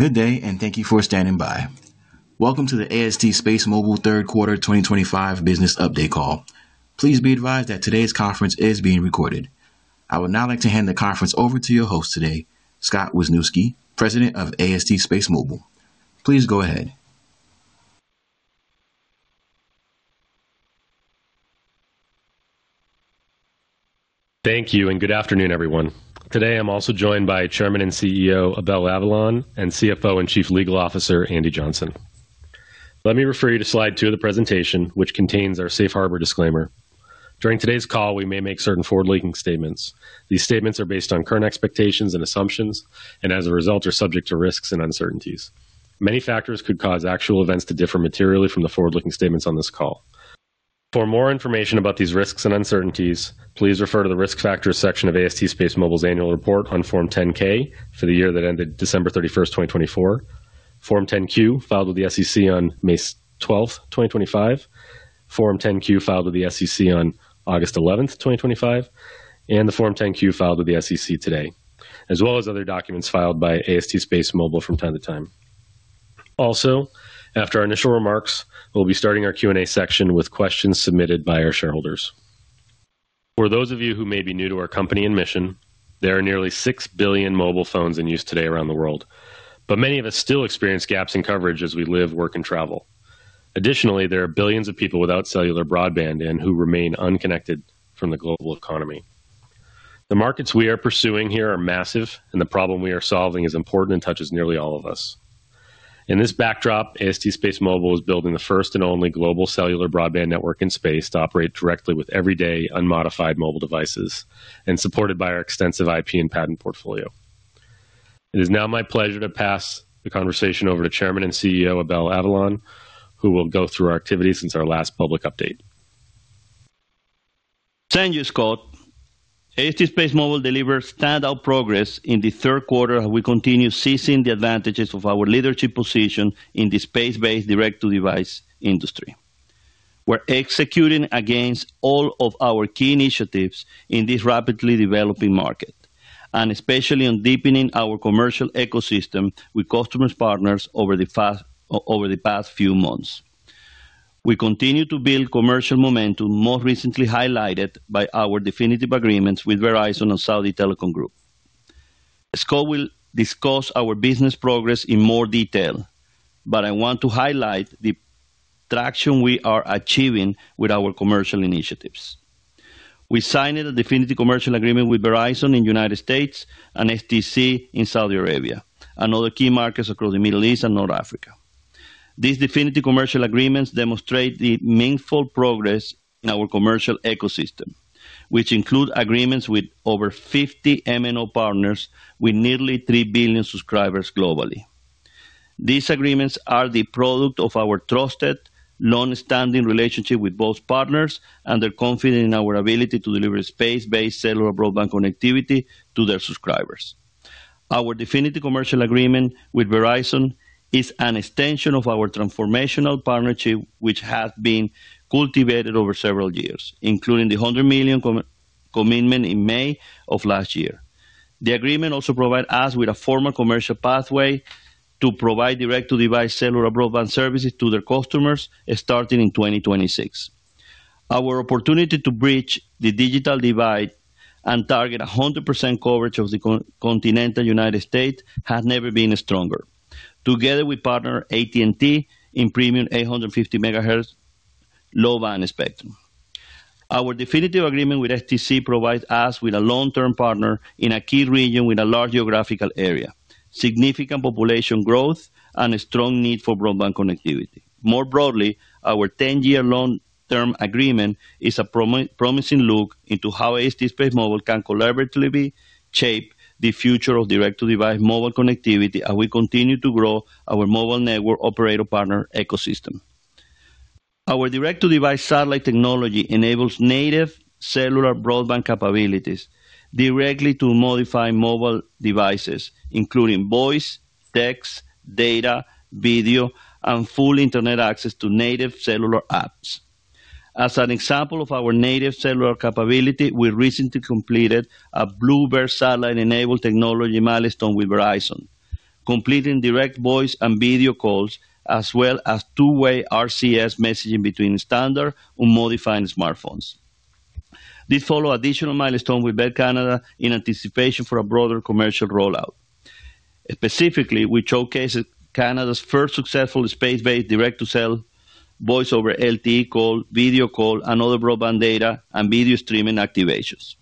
Good day, and thank you for standing by. Welcome to the AST SpaceMobile third quarter 2025 business update call. Please be advised that today's conference is being recorded. I would now like to hand the conference over to your host today, Scott Wisniewski, President of AST SpaceMobile. Please go ahead. Thank you, and good afternoon, everyone. Today I'm also joined by Chairman and CEO Abel Avellan and CFO and Chief Legal Officer Andy Johnson. Let me refer you to slide two of the presentation, which contains our Safe Harbor disclaimer. During today's call, we may make certain forward-looking statements. These statements are based on current expectations and assumptions, and as a result, are subject to risks and uncertainties. Many factors could cause actual events to differ materially from the forward-looking statements on this call. For more information about these risks and uncertainties, please refer to the Risk Factors section of AST SpaceMobile's annual report on Form 10-K for the year that ended December 31st, 2024, Form 10-Q filed with the SEC on May 12th, 2025, Form 10Q filed with the SEC on August 11th, 2025, and the Form 10-Q filed with the SEC today, as well as other documents filed by AST SpaceMobile from time to time. Also, after our initial remarks, we'll be starting our Q&A section with questions submitted by our shareholders. For those of you who may be new to our company and mission, there are nearly 6 billion mobile phones in use today around the world, but many of us still experience gaps in coverage as we live, work, and travel. Additionally, there are billions of people without cellular broadband and who remain unconnected from the global economy. The markets we are pursuing here are massive, and the problem we are solving is important and touches nearly all of us. In this backdrop, AST SpaceMobile is building the first and only global cellular broadband network in space to operate directly with everyday, unmodified mobile devices and supported by our extensive IP and patent portfolio. It is now my pleasure to pass the conversation over to Chairman and CEO Abel Avellan, who will go through our activities since our last public update. Thank you, Scott. AST SpaceMobile delivers standout progress in the third quarter as we continue seizing the advantages of our leadership position in the space-based direct-to-device industry. We're executing against all of our key initiatives in this rapidly developing market, and especially on deepening our commercial ecosystem with customers' partners over the past few months. We continue to build commercial momentum, most recently highlighted by our definitive agreements with Verizon and Saudi Telecom Group. Scott will discuss our business progress in more detail, but I want to highlight the traction we are achieving with our commercial initiatives. We signed a definitive commercial agreement with Verizon in the United States and STC in Saudi Arabia, and other key markets across the Middle East and North Africa. These definitive commercial agreements demonstrate the meaningful progress in our commercial ecosystem, which includes agreements with over 50 MNO partners with nearly 3 billion subscribers globally. These agreements are the product of our trusted, long-standing relationship with both partners and their confidence in our ability to deliver space-based cellular broadband connectivity to their subscribers. Our definitive commercial agreement with Verizon is an extension of our transformational partnership, which has been cultivated over several years, including the $100 million commitment in May of last year. The agreement also provides us with a formal commercial pathway to provide direct-to-device cellular broadband services to their customers starting in 2026. Our opportunity to bridge the digital divide and target 100% coverage of the continental United States has never been stronger. Together, we partner with AT&T in premium 850 MHz low-band spectrum. Our definitive agreement with STC provides us with a long-term partner in a key region with a large geographical area, significant population growth, and a strong need for broadband connectivity. More broadly, our 10-year long-term agreement is a promising look into how AST SpaceMobile can collaboratively shape the future of direct-to-device mobile connectivity as we continue to grow our mobile network operator partner ecosystem. Our direct-to-device satellite technology enables native cellular broadband capabilities directly to modified mobile devices, including voice, text, data, video, and full internet access to native cellular apps. As an example of our native cellular capability, we recently completed a Bluebird satellite-enabled technology milestone with Verizon, completing direct voice and video calls, as well as two-way RCS messaging between standard and modified smartphones. This followed additional milestones with Bell Canada in anticipation for a broader commercial rollout. Specifically, we showcased Canada's first successful space-based direct-to-cell voice-over LTE call, video call, and other broadband data and video streaming activations.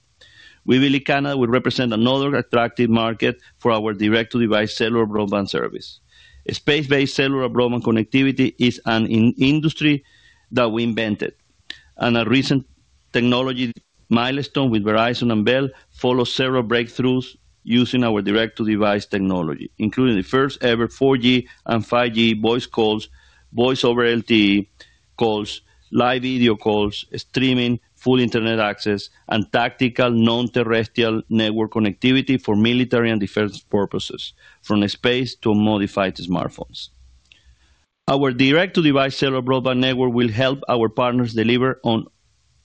We believe Canada will represent another attractive market for our direct-to-device cellular broadband service. Space-based cellular broadband connectivity is an industry that we invented, and a recent technology milestone with Verizon and Bell follows several breakthroughs using our direct-to-device technology, including the first-ever 4G and 5G voice calls, voice-over LTE calls, live video calls, streaming, full internet access, and tactical non-terrestrial network connectivity for military and defense purposes, from space to modified smartphones. Our direct-to-device cellular broadband network will help our partners deliver on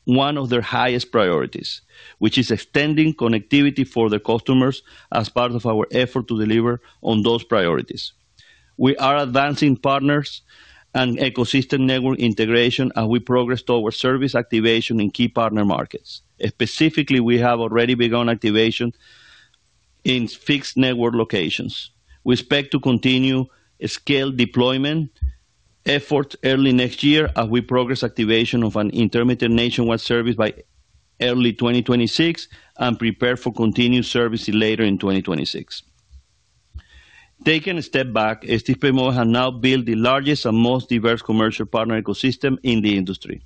one of their highest priorities, which is extending connectivity for their customers as part of our effort to deliver on those priorities. We are advancing partners and ecosystem network integration as we progress towards service activation in key partner markets. Specifically, we have already begun activation in fixed network locations. We expect to continue scale deployment efforts early next year as we progress activation of an intermittent nationwide service by early 2026 and prepare for continued service later in 2026. Taking a step back, AST SpaceMobile has now built the largest and most diverse commercial partner ecosystem in the industry.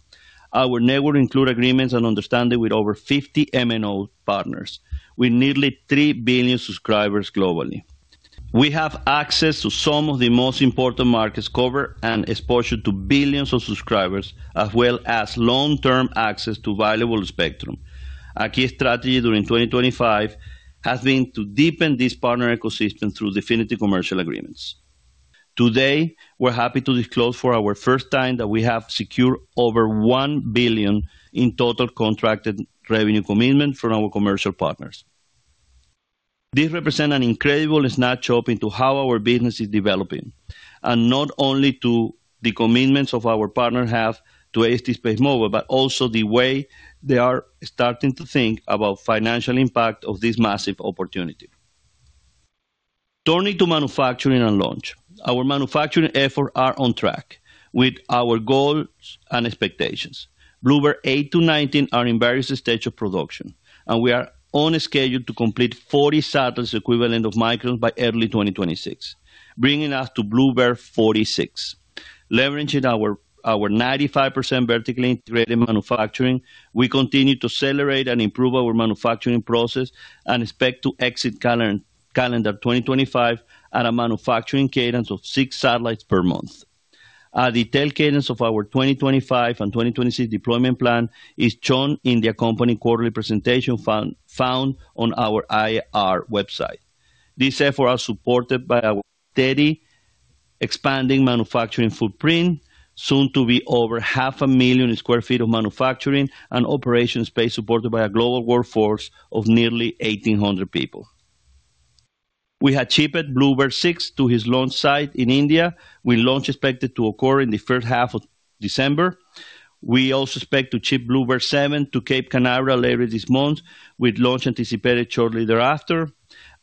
Our network includes agreements and understanding with over 50 MNO partners with nearly 3 billion subscribers globally. We have access to some of the most important markets covered and exposure to billions of subscribers, as well as long-term access to valuable spectrum. Our key strategy during 2025 has been to deepen this partner ecosystem through definitive commercial agreements. Today, we're happy to disclose for our first time that we have secured over $1 billion in total contracted revenue commitment from our commercial partners. This represents an incredible snapshot into how our business is developing, and not only to the commitments our partners have to AST SpaceMobile, but also the way they are starting to think about the financial impact of this massive opportunity. Turning to manufacturing and launch, our manufacturing efforts are on track with our goals and expectations. BlueBird 8 to 19 are in various stages of production, and we are on schedule to complete 40 satellites equivalent of microns by early 2026, bringing us to BluebBird 46. Leveraging our 95% vertically integrated manufacturing, we continue to accelerate and improve our manufacturing process and expect to exit calendar 2025 at a manufacturing cadence of six satellites per month. A detailed cadence of our 2025 and 2026 deployment plan is shown in the accompanying quarterly presentation found on our IR website. This effort is supported by a steadily expanding manufacturing footprint, soon to be over 500,000 sq ft of manufacturing and operations space supported by a global workforce of nearly 1,800 people. We have shipped BlueBird 6 to its launch site in India, with launch expected to occur in the first half of December. We also expect to ship BlueBird 7 to Cape Canaveral later this month, with launch anticipated shortly thereafter.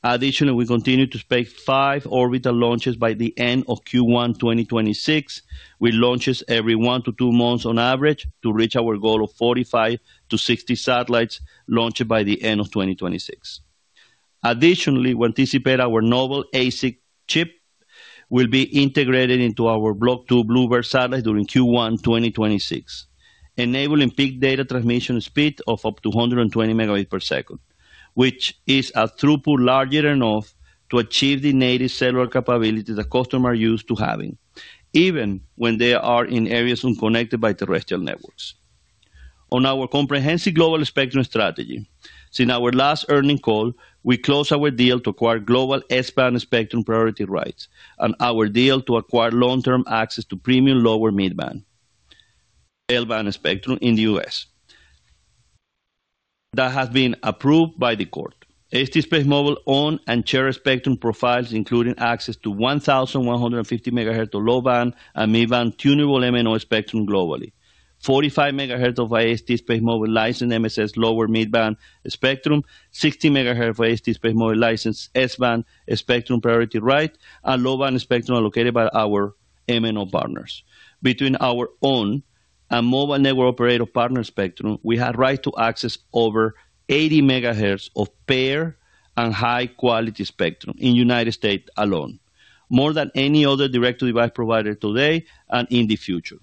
Additionally, we continue to expect five orbital launches by the end of Q1 2026, with launches every one to two months on average to reach our goal of 45-60 satellites launched by the end of 2026. Additionally, we anticipate our novel ASIC chip will be integrated into our Block 2 BlueBird satellite during Q1 2026, enabling peak data transmission speed of up to 120 Mbs, which is a throughput large enough to achieve the native cellular capability the customers are used to having, even when they are in areas unconnected by terrestrial networks. On our comprehensive global spectrum strategy, since our last earnings call, we closed our deal to acquire global S-band spectrum priority rights and our deal to acquire long-term access to premium lower mid-band L-band spectrum in the U.S. That has been approved by the court. AST SpaceMobile owns and shares spectrum profiles, including access to 1,150 MHz of low-band and mid-band tunable MNO spectrum globally, 45 MHz of AST SpaceMobile licensed MSS lower mid-band spectrum, 60 MHz of AST SpaceMobile licensed S-band spectrum priority rights, and low-band spectrum allocated by our MNO partners. Between our own and mobile network operator partner spectrum, we have rights to access over 80 MHz of paired and high-quality spectrum in the United States alone, more than any other direct-to-device provider today and in the future.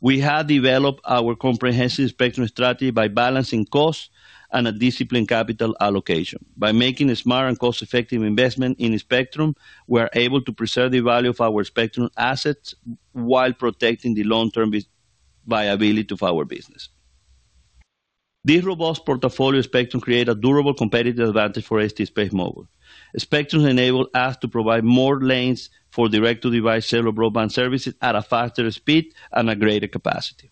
We have developed our comprehensive spectrum strategy by balancing costs and disciplined capital allocation. By making a smart and cost-effective investment in spectrum, we are able to preserve the value of our spectrum assets while protecting the long-term viability of our business. This robust portfolio of spectrum creates a durable competitive advantage for AST SpaceMobile. Spectrum enables us to provide more lanes for direct-to-device cellular broadband services at a faster speed and a greater capacity.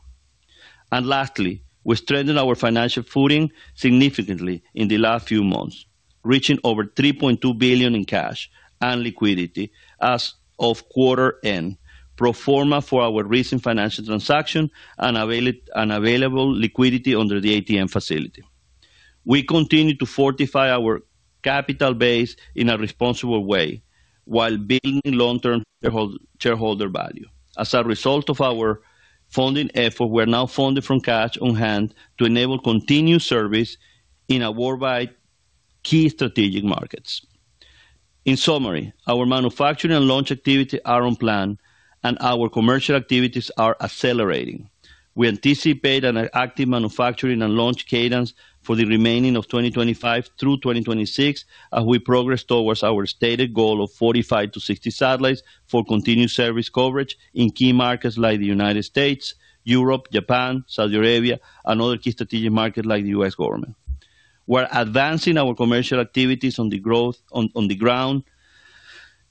Lastly, we strengthened our financial footing significantly in the last few months, reaching over $3.2 billion in cash and liquidity as of quarter end, pro forma for our recent financial transaction and available liquidity under the ATM facility. We continue to fortify our capital base in a responsible way while building long-term shareholder value. As a result of our funding effort, we are now funded from cash on hand to enable continued service in our worldwide key strategic markets. In summary, our manufacturing and launch activities are on plan, and our commercial activities are accelerating. We anticipate an active manufacturing and launch cadence for the remainder of 2025 through 2026 as we progress towards our stated goal of 45-60 satellites for continued service coverage in key markets like the U.S., Europe, Japan, Saudi Arabia, and other key strategic markets like the U.S. government. We're advancing our commercial activities on the ground,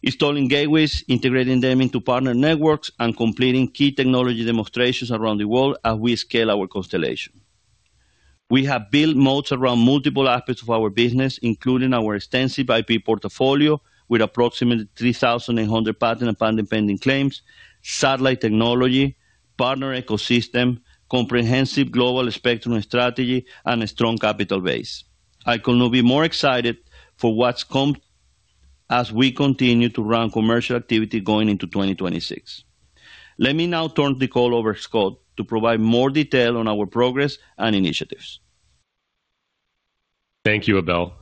installing gateways, integrating them into partner networks, and completing key technology demonstrations around the world as we scale our constellation. We have built models around multiple aspects of our business, including our extensive IP portfolio with approximately 3,800 patent and patent-pending claims, satellite technology, partner ecosystem, comprehensive global spectrum strategy, and a strong capital base. I could not be more excited for what's coming as we continue to run commercial activity going into 2026. Let me now turn the call over to Scott to provide more detail on our progress and initiatives. Thank you, Abel.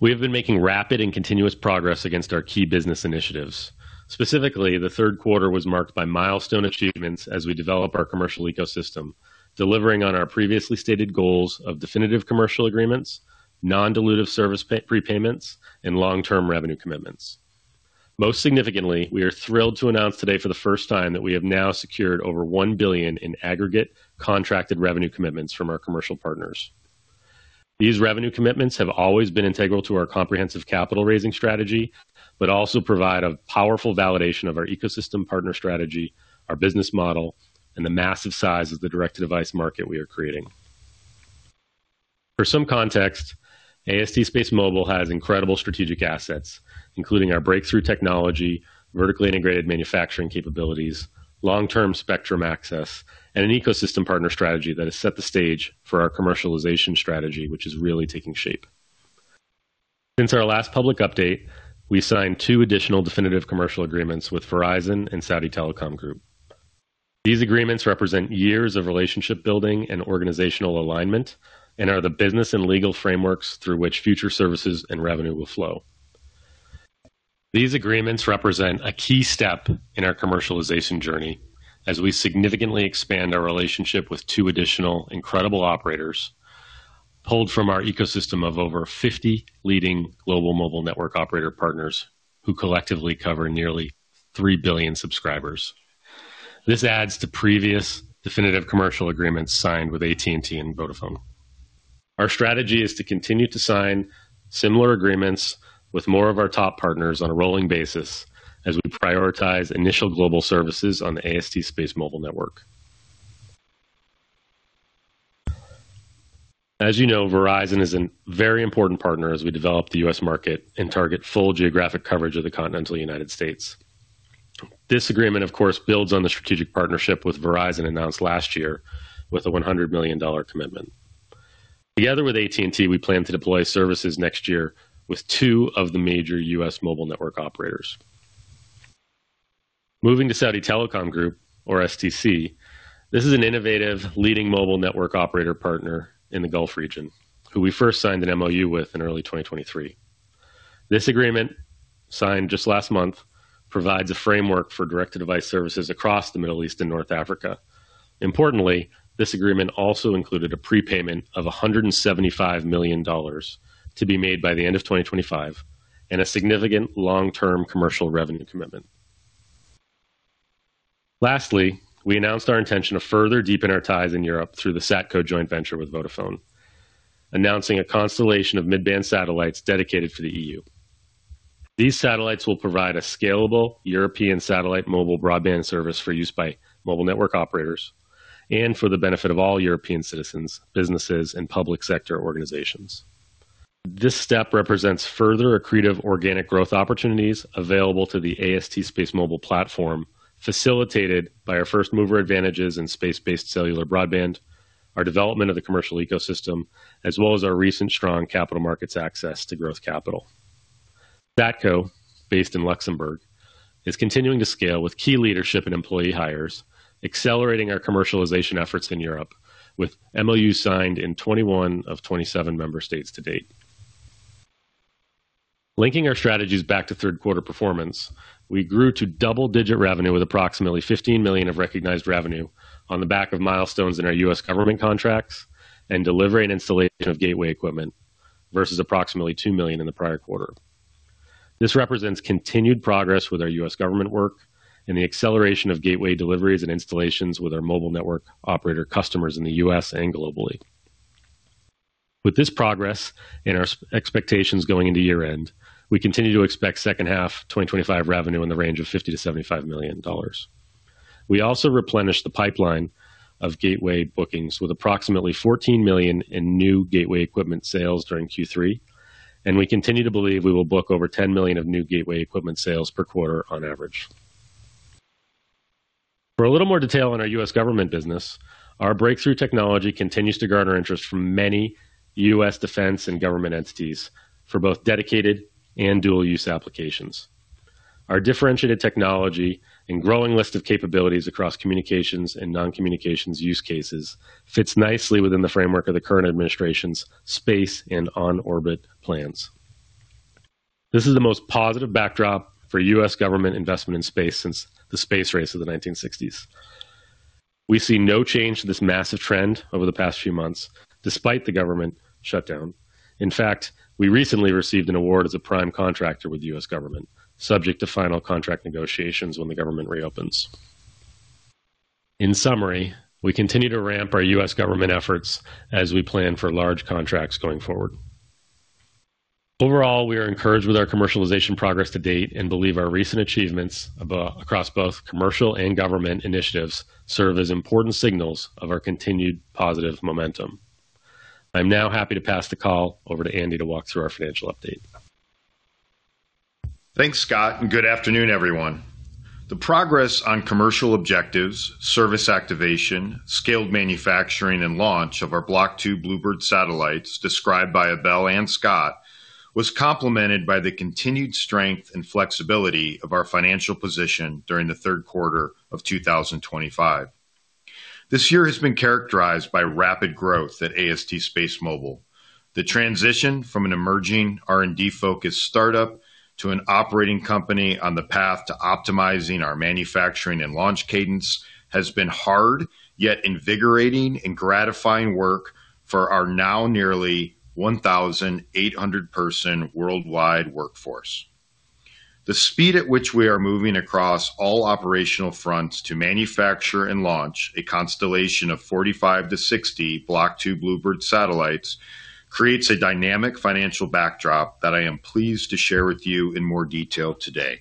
We have been making rapid and continuous progress against our key business initiatives. Specifically, the third quarter was marked by milestone achievements as we develop our commercial ecosystem, delivering on our previously stated goals of definitive commercial agreements, non-dilutive service prepayments, and long-term revenue commitments. Most significantly, we are thrilled to announce today for the first time that we have now secured over $1 billion in aggregate contracted revenue commitments from our commercial partners. These revenue commitments have always been integral to our comprehensive capital raising strategy, but also provide a powerful validation of our ecosystem partner strategy, our business model, and the massive size of the direct-to-device market we are creating. For some context, AST SpaceMobile has incredible strategic assets, including our breakthrough technology, vertically integrated manufacturing capabilities, long-term spectrum access, and an ecosystem partner strategy that has set the stage for our commercialization strategy, which is really taking shape. Since our last public update, we signed two additional definitive commercial agreements with Verizon and Saudi Telecom Group. These agreements represent years of relationship building and organizational alignment and are the business and legal frameworks through which future services and revenue will flow. These agreements represent a key step in our commercialization journey as we significantly expand our relationship with two additional incredible operators pulled from our ecosystem of over 50 leading global mobile network operator partners who collectively cover nearly 3 billion subscribers. This adds to previous definitive commercial agreements signed with AT&T and Vodafone. Our strategy is to continue to sign similar agreements with more of our top partners on a rolling basis as we prioritize initial global services on the AST SpaceMobile network. As you know, Verizon is a very important partner as we develop the U.S. market and target full geographic coverage of the continental United States. This agreement, of course, builds on the strategic partnership with Verizon announced last year with a $100 million commitment. Together with AT&T, we plan to deploy services next year with two of the major U.S. mobile network operators. Moving to Saudi Telecom Group, or STC, this is an innovative leading mobile network operator partner in the Gulf region, who we first signed an MOU with in early 2023. This agreement, signed just last month, provides a framework for direct-to-device services across the Middle East and North Africa. Importantly, this agreement also included a prepayment of $175 million to be made by the end of 2025 and a significant long-term commercial revenue commitment. Lastly, we announced our intention to further deepen our ties in Europe through the SATCO joint venture with Vodafone, announcing a constellation of mid-band satellites dedicated to the EU. These satellites will provide a scalable European satellite mobile broadband service for use by mobile network operators and for the benefit of all European citizens, businesses, and public sector organizations. This step represents further accretive organic growth opportunities available to the AST SpaceMobile platform, facilitated by our first-mover advantages in space-based cellular broadband, our development of the commercial ecosystem, as well as our recent strong capital markets access to growth capital. SATCO, based in Luxembourg, is continuing to scale with key leadership and employee hires, accelerating our commercialization efforts in Europe with MOUs signed in 21 of 27 member states to date. Linking our strategies back to third-quarter performance, we grew to double-digit revenue with approximately $15 million of recognized revenue on the back of milestones in our U.S. government contracts and delivery and installation of gateway equipment versus approximately $2 million in the prior quarter. This represents continued progress with our U.S. government work and the acceleration of gateway deliveries and installations with our mobile network operator customers in the U.S. and globally. With this progress and our expectations going into year-end, we continue to expect second-half 2025 revenue in the range of $50million-$75 million. We also replenished the pipeline of gateway bookings with approximately $14 million in new gateway equipment sales during Q3, and we continue to believe we will book over $10 million of new gateway equipment sales per quarter on average. For a little more detail on our U.S. government business, our breakthrough technology continues to garner interest from many U.S. defense and government entities for both dedicated and dual-use applications. Our differentiated technology and growing list of capabilities across communications and non-communications use cases fits nicely within the framework of the current administration's space and on-orbit plans. This is the most positive backdrop for U.S. government investment in space since the space race of the 1960s. We see no change to this massive trend over the past few months, despite the government shutdown. In fact, we recently received an award as a prime contractor with the U.S.government, subject to final contract negotiations when the government reopens. In summary, we continue to ramp our U.S. government efforts as we plan for large contracts going forward. Overall, we are encouraged with our commercialization progress to date and believe our recent achievements across both commercial and government initiatives serve as important signals of our continued positive momentum. I'm now happy to pass the call over to Andy to walk through our financial update. Thanks, Scott, and good afternoon, everyone. The progress on commercial objectives, service activation, scaled manufacturing, and launch of our Block 2 BlueBird satellites described by Abel and Scott was complemented by the continued strength and flexibility of our financial position during the third quarter of 2025. This year has been characterized by rapid growth at AST SpaceMobile. The transition from an emerging R&D-focused startup to an operating company on the path to optimizing our manufacturing and launch cadence has been hard, yet invigorating and gratifying work for our now nearly 1,800-person worldwide workforce. The speed at which we are moving across all operational fronts to manufacture and launch a constellation of 45-60 Block 2 BlueBird satellites creates a dynamic financial backdrop that I am pleased to share with you in more detail today.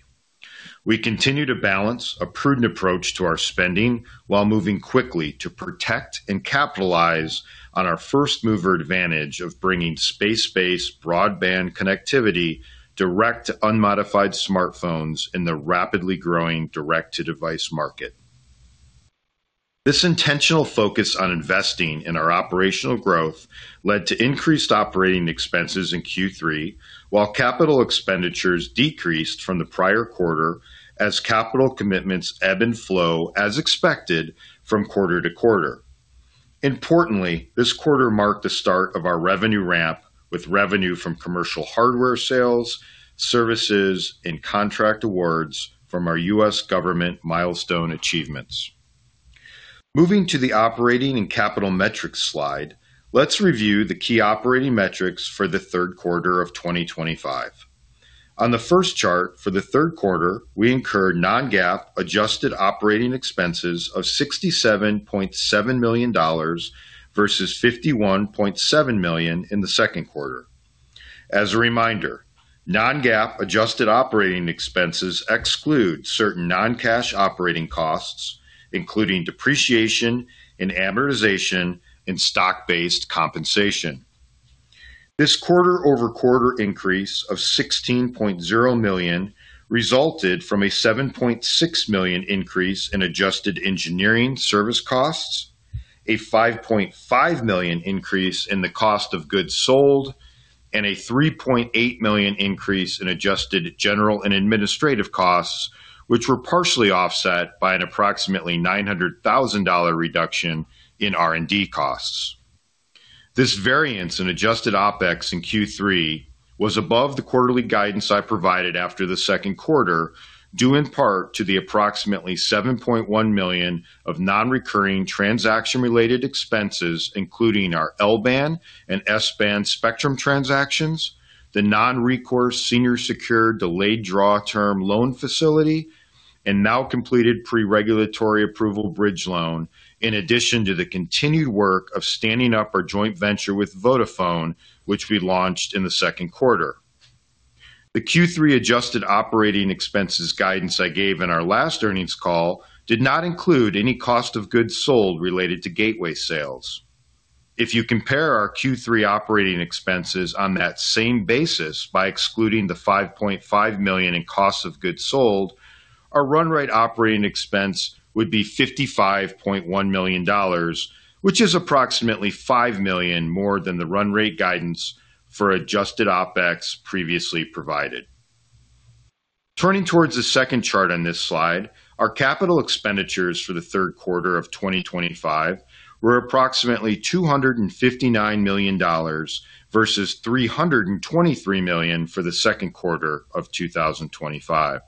We continue to balance a prudent approach to our spending while moving quickly to protect and capitalize on our first-mover advantage of bringing space-based broadband connectivity direct to unmodified smartphones in the rapidly growing direct-to-device market. This intentional focus on investing in our operational growth led to increased operating expenses in Q3, while capital expenditures decreased from the prior quarter as capital commitments ebb and flow as expected from quarter to quarter. Importantly, this quarter marked the start of our revenue ramp with revenue from commercial hardware sales, services, and contract awards from our U.S. government milestone achievements. Moving to the operating and capital metrics slide, let's review the key operating metrics for the third quarter of 2025. On the first chart for the third quarter, we incurred non-GAAP adjusted operating expenses of $67.7 million versus $51.7 million in the second quarter. As a reminder, non-GAAP adjusted operating expenses exclude certain non-cash operating costs, including depreciation and amortization and stock-based compensation. This quarter-over-quarter increase of $16.0 million resulted from a $7.6 million increase in adjusted engineering service costs, a $5.5 million increase in the cost of goods sold, and a $3.8 million increase in adjusted general and administrative costs, which were partially offset by an approximately $900,000 reduction in R&D costs. This variance in adjusted OpEx in Q3 was above the quarterly guidance I provided after the second quarter, due in part to the approximately $7.1 million of non-recurring transaction-related expenses, including our L-band and S-band spectrum transactions, the non-recourse senior secure delayed draw term loan facility, and now completed pre-regulatory approval bridge loan, in addition to the continued work of standing up our joint venture with Vodafone, which we launched in the second quarter. The Q3 adjusted operating expenses guidance I gave in our last earnings call did not include any cost of goods sold related to gateway sales. If you compare our Q3 operating expenses on that same basis by excluding the $5.5 million in cost of goods sold, our run rate operating expense would be $55.1 million, which is approximately $5 million more than the run rate guidance for adjusted OpEx previously provided. Turning towards the second chart on this slide, our capital expenditures for the third quarter of 2025 were approximately $259 million versus $323 million for the second quarter of 2025.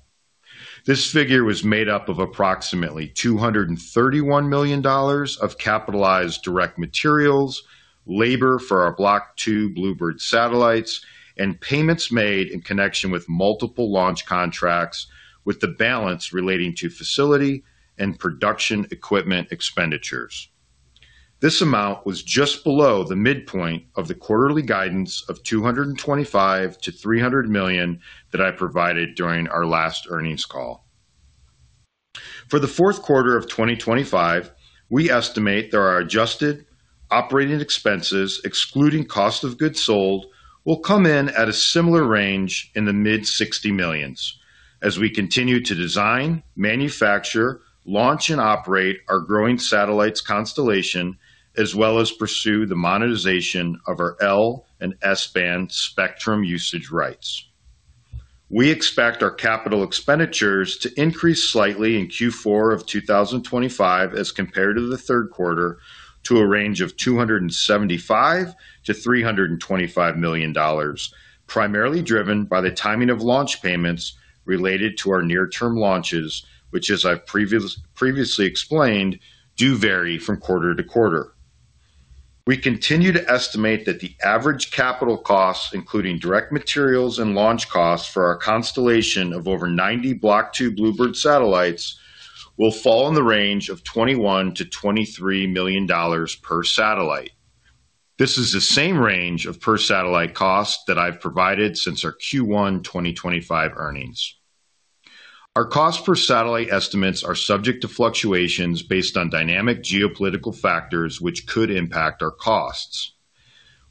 This figure was made up of approximately $231 million of capitalized direct materials, labor for our Block 2 BlueBird satellites, and payments made in connection with multiple launch contracts, with the balance relating to facility and production equipment expenditures. This amount was just below the midpoint of the quarterly guidance of $225 million-$300 million that I provided during our last earnings call. For the fourth quarter of 2025, we estimate that our adjusted operating expenses, excluding cost of goods sold, will come in at a similar range in the mid-$60 millions, as we continue to design, manufacture, launch, and operate our growing satellites constellation, as well as pursue the monetization of our L and S-band spectrum usage rights. We expect our capital expenditures to increase slightly in Q4 of 2025 as compared to the third quarter to a range of $275 million-$325 million, primarily driven by the timing of launch payments related to our near-term launches, which, as I've previously explained, do vary from quarter to quarter. We continue to estimate that the average capital costs, including direct materials and launch costs for our constellation of over 90 Block 2 BlueBird satellites, will fall in the range of $21 million-$23 million per satellite. This is the same range of per satellite cost that I've provided since our Q1 2025 earnings. Our cost per satellite estimates are subject to fluctuations based on dynamic geopolitical factors, which could impact our costs.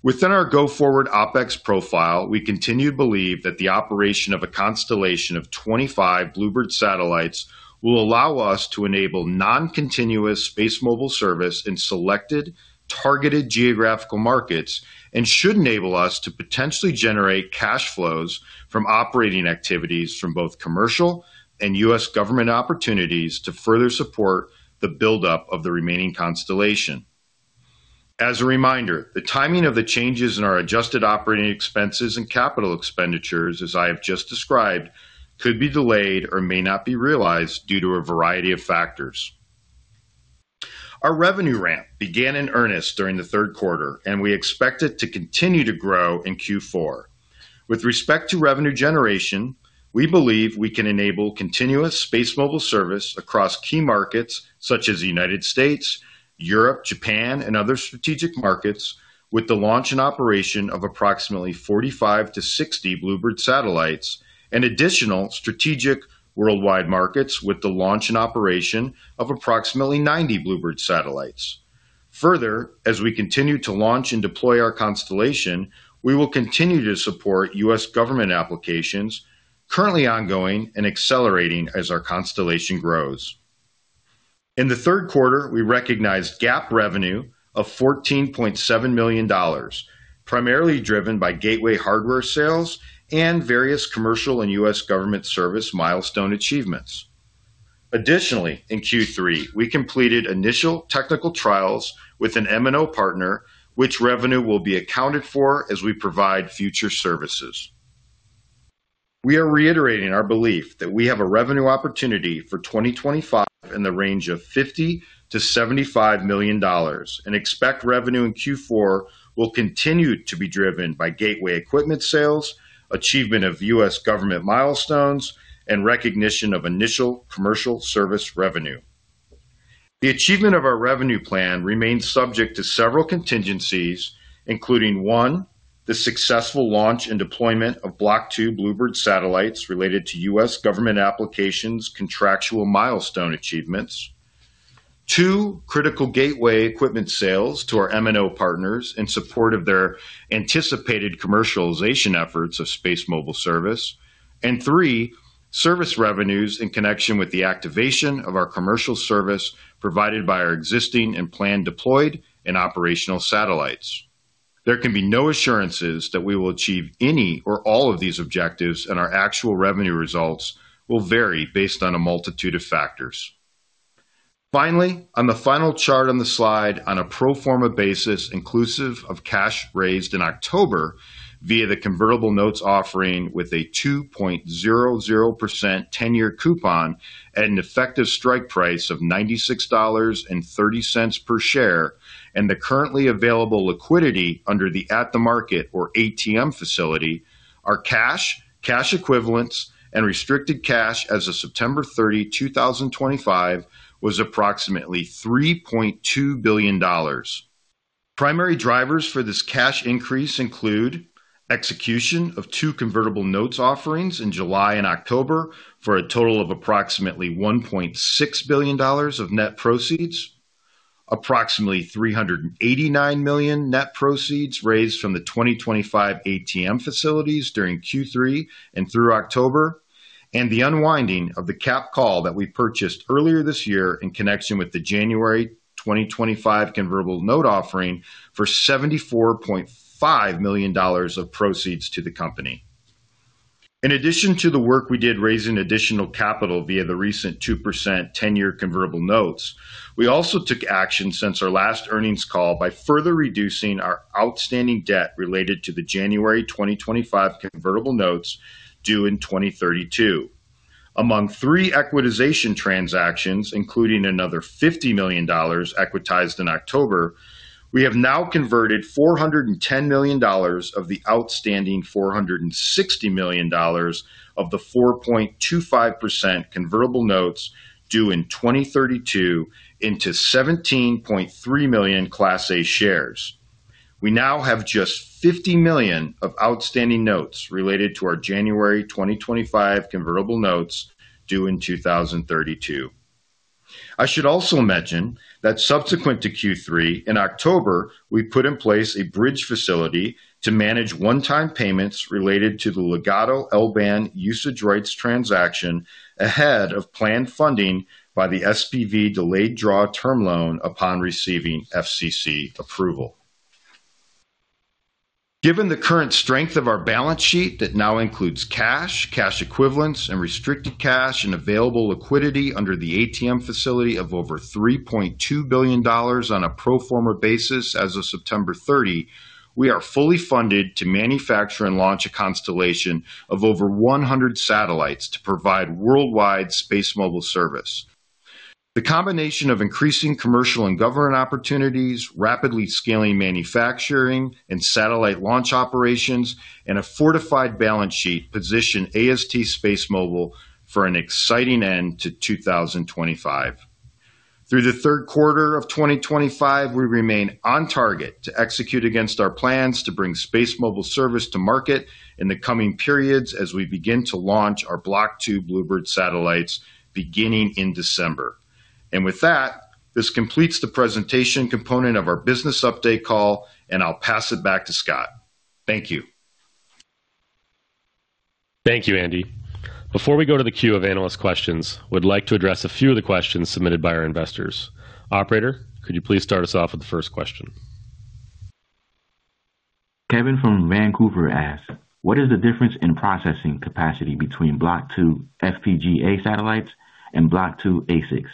Within our go-forward OpEx profile, we continue to believe that the operation of a constellation of 25 BlueBird satellites will allow us to enable non-continuous SpaceMobile service in selected, targeted geographical markets and should enable us to potentially generate cash flows from operating activities from both commercial and U.S. government opportunities to further support the buildup of the remaining constellation. As a reminder, the timing of the changes in our adjusted operating expenses and capital expenditures, as I have just described, could be delayed or may not be realized due to a variety of factors. Our revenue ramp began in earnest during the third quarter, and we expect it to continue to grow in Q4. With respect to revenue generation, we believe we can enable continuous SpaceMobile service across key markets such as the United States, Europe, Japan, and other strategic markets, with the launch and operation of approximately 45-60 BlueBird satellites, and additional strategic worldwide markets with the launch and operation of approximately 90 BlueBird satellites. Further, as we continue to launch and deploy our constellation, we will continue to support U.S. government applications currently ongoing and accelerating as our constellation grows. In the third quarter, we recognized GAAP revenue of $14.7 million, primarily driven by gateway hardware sales and various commercial and U.S. government service milestone achievements. Additionally, in Q3, we completed initial technical trials with an MNO partner, which revenue will be accounted for as we provide future services. We are reiterating our belief that we have a revenue opportunity for 2025 in the range of $50 million-$75 million and expect revenue in Q4 will continue to be driven by gateway equipment sales, achievement of U.S. government milestones, and recognition of initial commercial service revenue. The achievement of our revenue plan remains subject to several contingencies, including: one, the successful launch and deployment of Block 2 BlueBird satellites related to U.S. government applications' contractual milestone achievements; two, critical gateway equipment sales to our MNO partners in support of their anticipated commercialization efforts of SpaceMobile service; and three, service revenues in connection with the activation of our commercial service provided by our existing and planned deployed and operational satellites. There can be no assurances that we will achieve any or all of these objectives, and our actual revenue results will vary based on a multitude of factors. Finally, on the final chart on the slide, on a pro forma basis inclusive of cash raised in October via the convertible notes offering with a 2.00% 10-year coupon at an effective strike price of $96.30 per share, and the currently available liquidity under the at-the-market or ATM facility, our cash, cash equivalents, and restricted cash as of September 30, 2025, was approximately $3.2 billion. Primary drivers for this cash increase include execution of two convertible notes offerings in July and October for a total of approximately $1.6 billion of net proceeds, approximately $389 million net proceeds raised from the 2025 ATM facilities during Q3 and through October, and the unwinding of the cap call that we purchased earlier this year in connection with the January 2025 convertible note offering for $74.5 million of proceeds to the company. In addition to the work we did raising additional capital via the recent 2% 10-year convertible notes, we also took action since our last earnings call by further reducing our outstanding debt related to the January 2025 convertible notes due in 2032. Among three equitization transactions, including another $50 million equitized in October, we have now converted $410 million of the outstanding $460 million of the 4.25% convertible notes due in 2032 into 17.3 million Class A shares. We now have just $50 million of outstanding notes related to our January 2025 convertible notes due in 2032. I should also mention that subsequent to Q3, in October, we put in place a bridge facility to manage one-time payments related to the Legato LBAN usage rights transaction ahead of planned funding by the SPV delayed draw term loan upon receiving FCC approval. Given the current strength of our balance sheet that now includes cash, cash equivalents, and restricted cash, and available liquidity under the ATM facility of over $3.2 billion on a pro forma basis as of September 30, we are fully funded to manufacture and launch a constellation of over 100 satellites to provide worldwide SpaceMobile service. The combination of increasing commercial and government opportunities, rapidly scaling manufacturing and satellite launch operations, and a fortified balance sheet position AST SpaceMobile for an exciting end to 2025. Through the third quarter of 2025, we remain on target to execute against our plans to bring SpaceMobile service to market in the coming periods as we begin to launch our Block 2 Bluebird satellites beginning in December. With that, this completes the presentation component of our business update call, and I'll pass it back to Scott. Thank you. Thank you, Andy. Before we go to the queue of analyst questions, we'd like to address a few of the questions submitted by our investors. Operator, could you please start us off with the first question? Kevin from Vancouver asks, what is the difference in processing capacity between Block 2 FPGA satellites and Block 2 ASICs?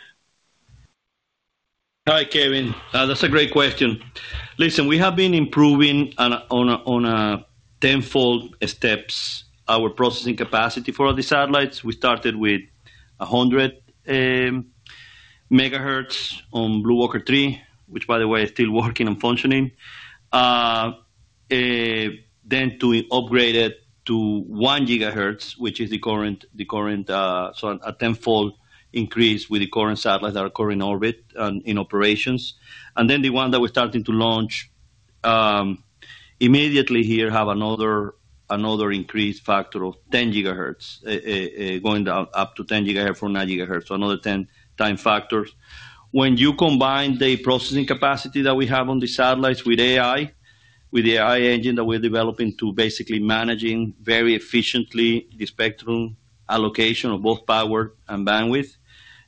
Hi, Kevin. That's a great question. Listen, we have been improving on a tenfold steps, our processing capacity for the satellites. We started with 100 MHz on BlueWalker 3, which, by the way, is still working and functioning. Then to upgrade it to 1 GHz, which is the current, so a 10-fold increase with the current satellites that are currently in orbit and in operations. The one that we're starting to launch immediately here has another increase factor of 10 GHz, going up to 10 GHz for 9 GHz, so another 10x factor. When you combine the processing capacity that we have on the satellites with AI, with the AI engine that we're developing to basically managing very efficiently the spectrum allocation of both power and bandwidth,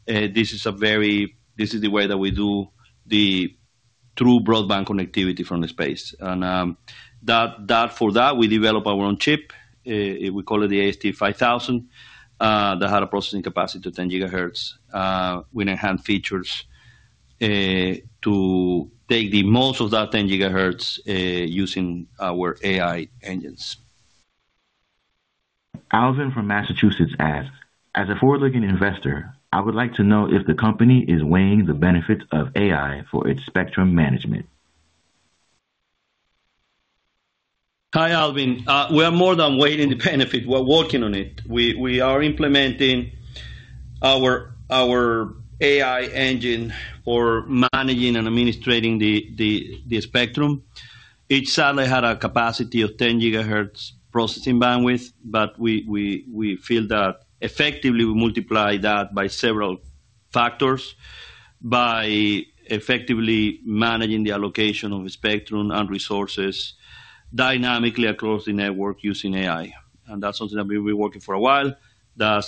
this is a very, this is the way that we do the true broadband connectivity from the space. For that, we developed our own chip. We call it the AST 5000 that had a processing capacity of 10 GHz. We enhanced features to take the most of that 10 GHz using our AI engines. Alvin from Massachusetts asks, as a forward-looking investor, I would like to know if the company is weighing the benefits of AI for its spectrum management. Hi, Alvin. We are more than weighing the benefits. We're working on it. We are implementing our AI engine for managing and administrating the spectrum. Each satellite had a capacity of 10 GHz processing bandwidth, but we feel that effectively we multiply that by several factors by effectively managing the allocation of spectrum and resources dynamically across the network using AI. That's something that we've been working for a while. The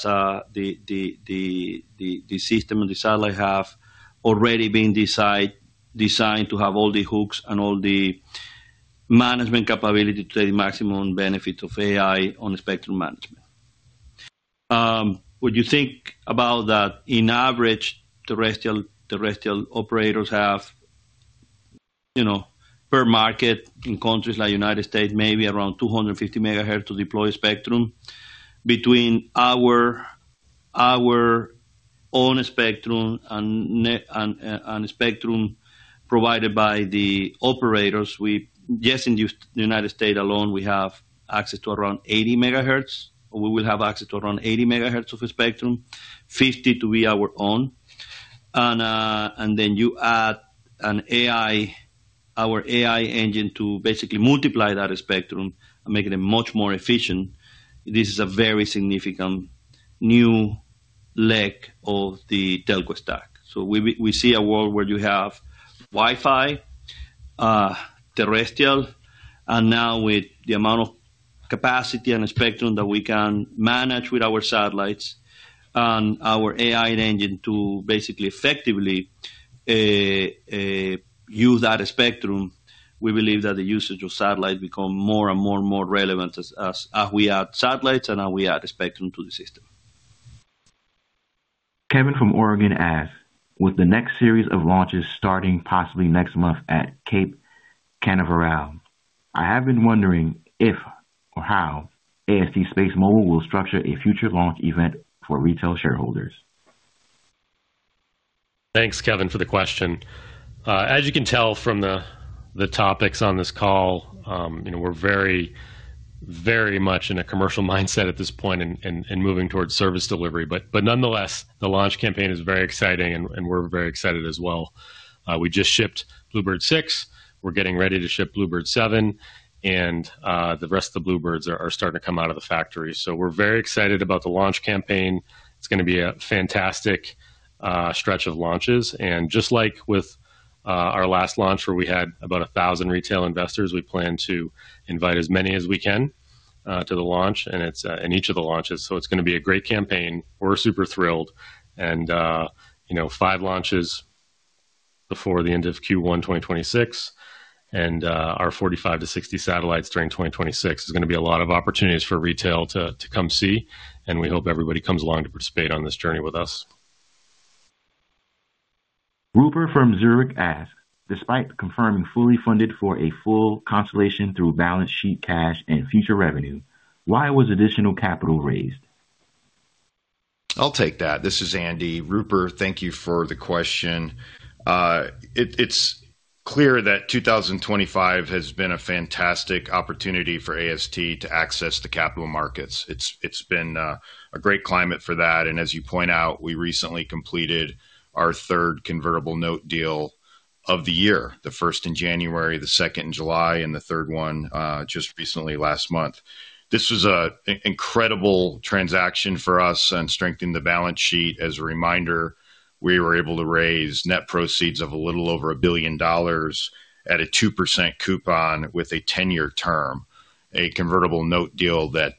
system and the satellite have already been designed to have all the hooks and all the management capability to take maximum benefit of AI on spectrum management. When you think about that, in average terrestrial operators have, you know, per market in countries like the United States, maybe around 250 MHz to deploy spectrum. Between our own spectrum and spectrum provided by the operators, we, just in the United States alone, we have access to around 80 MHz. We will have access to around 80 MHz of spectrum, 50 MHz to be our own. You add an AI, our AI engine to basically multiply that spectrum and make it much more efficient. This is a very significant new leg of the telco stack. We see a world where you have Wi-Fi, terrestrial, and now with the amount of capacity and spectrum that we can manage with our satellites and our AI engine to basically effectively use that spectrum, we believe that the usage of satellites becomes more and more and more relevant as we add satellites and as we add spectrum to the system. Kevin from Oregon asks, with the next series of launches starting possibly next month at Cape Canaveral, I have been wondering if or how AST SpaceMobile will structure a future launch event for retail shareholders. Thanks, Kevin, for the question. As you can tell from the topics on this call, you know, we're very, very much in a commercial mindset at this point and moving towards service delivery. Nonetheless, the launch campaign is very exciting, and we're very excited as well. We just shipped BlueBird 6. We're getting ready to ship BlueBird 7, and the rest of the BlueBirds are starting to come out of the factory. We are very excited about the launch campaign. It is going to be a fantastic stretch of launches. Just like with our last launch where we had about 1,000 retail investors, we plan to invite as many as we can to the launch and each of the launches. It is going to be a great campaign. We're super thrilled. You know, five launches before the end of Q1 2026 and our 45-60 satellites during 2026. There's going to be a lot of opportunities for retail to come see, and we hope everybody comes along to participate on this journey with us. Ruper from Zurich asks, despite confirming fully funded for a full constellation through balance sheet cash and future revenue, why was additional capital raised? I'll take that. This is Andy. Ruper, thank you for the question. It's clear that 2025 has been a fantastic opportunity for AST to access the capital markets. It's been a great climate for that. As you point out, we recently completed our third convertible note deal of the year, the first in January, the second in July, and the third one just recently last month. This was an incredible transaction for us and strengthened the balance sheet. As a reminder, we were able to raise net proceeds of a little over $1 billion at a 2% coupon with a 10-year term, a convertible note deal that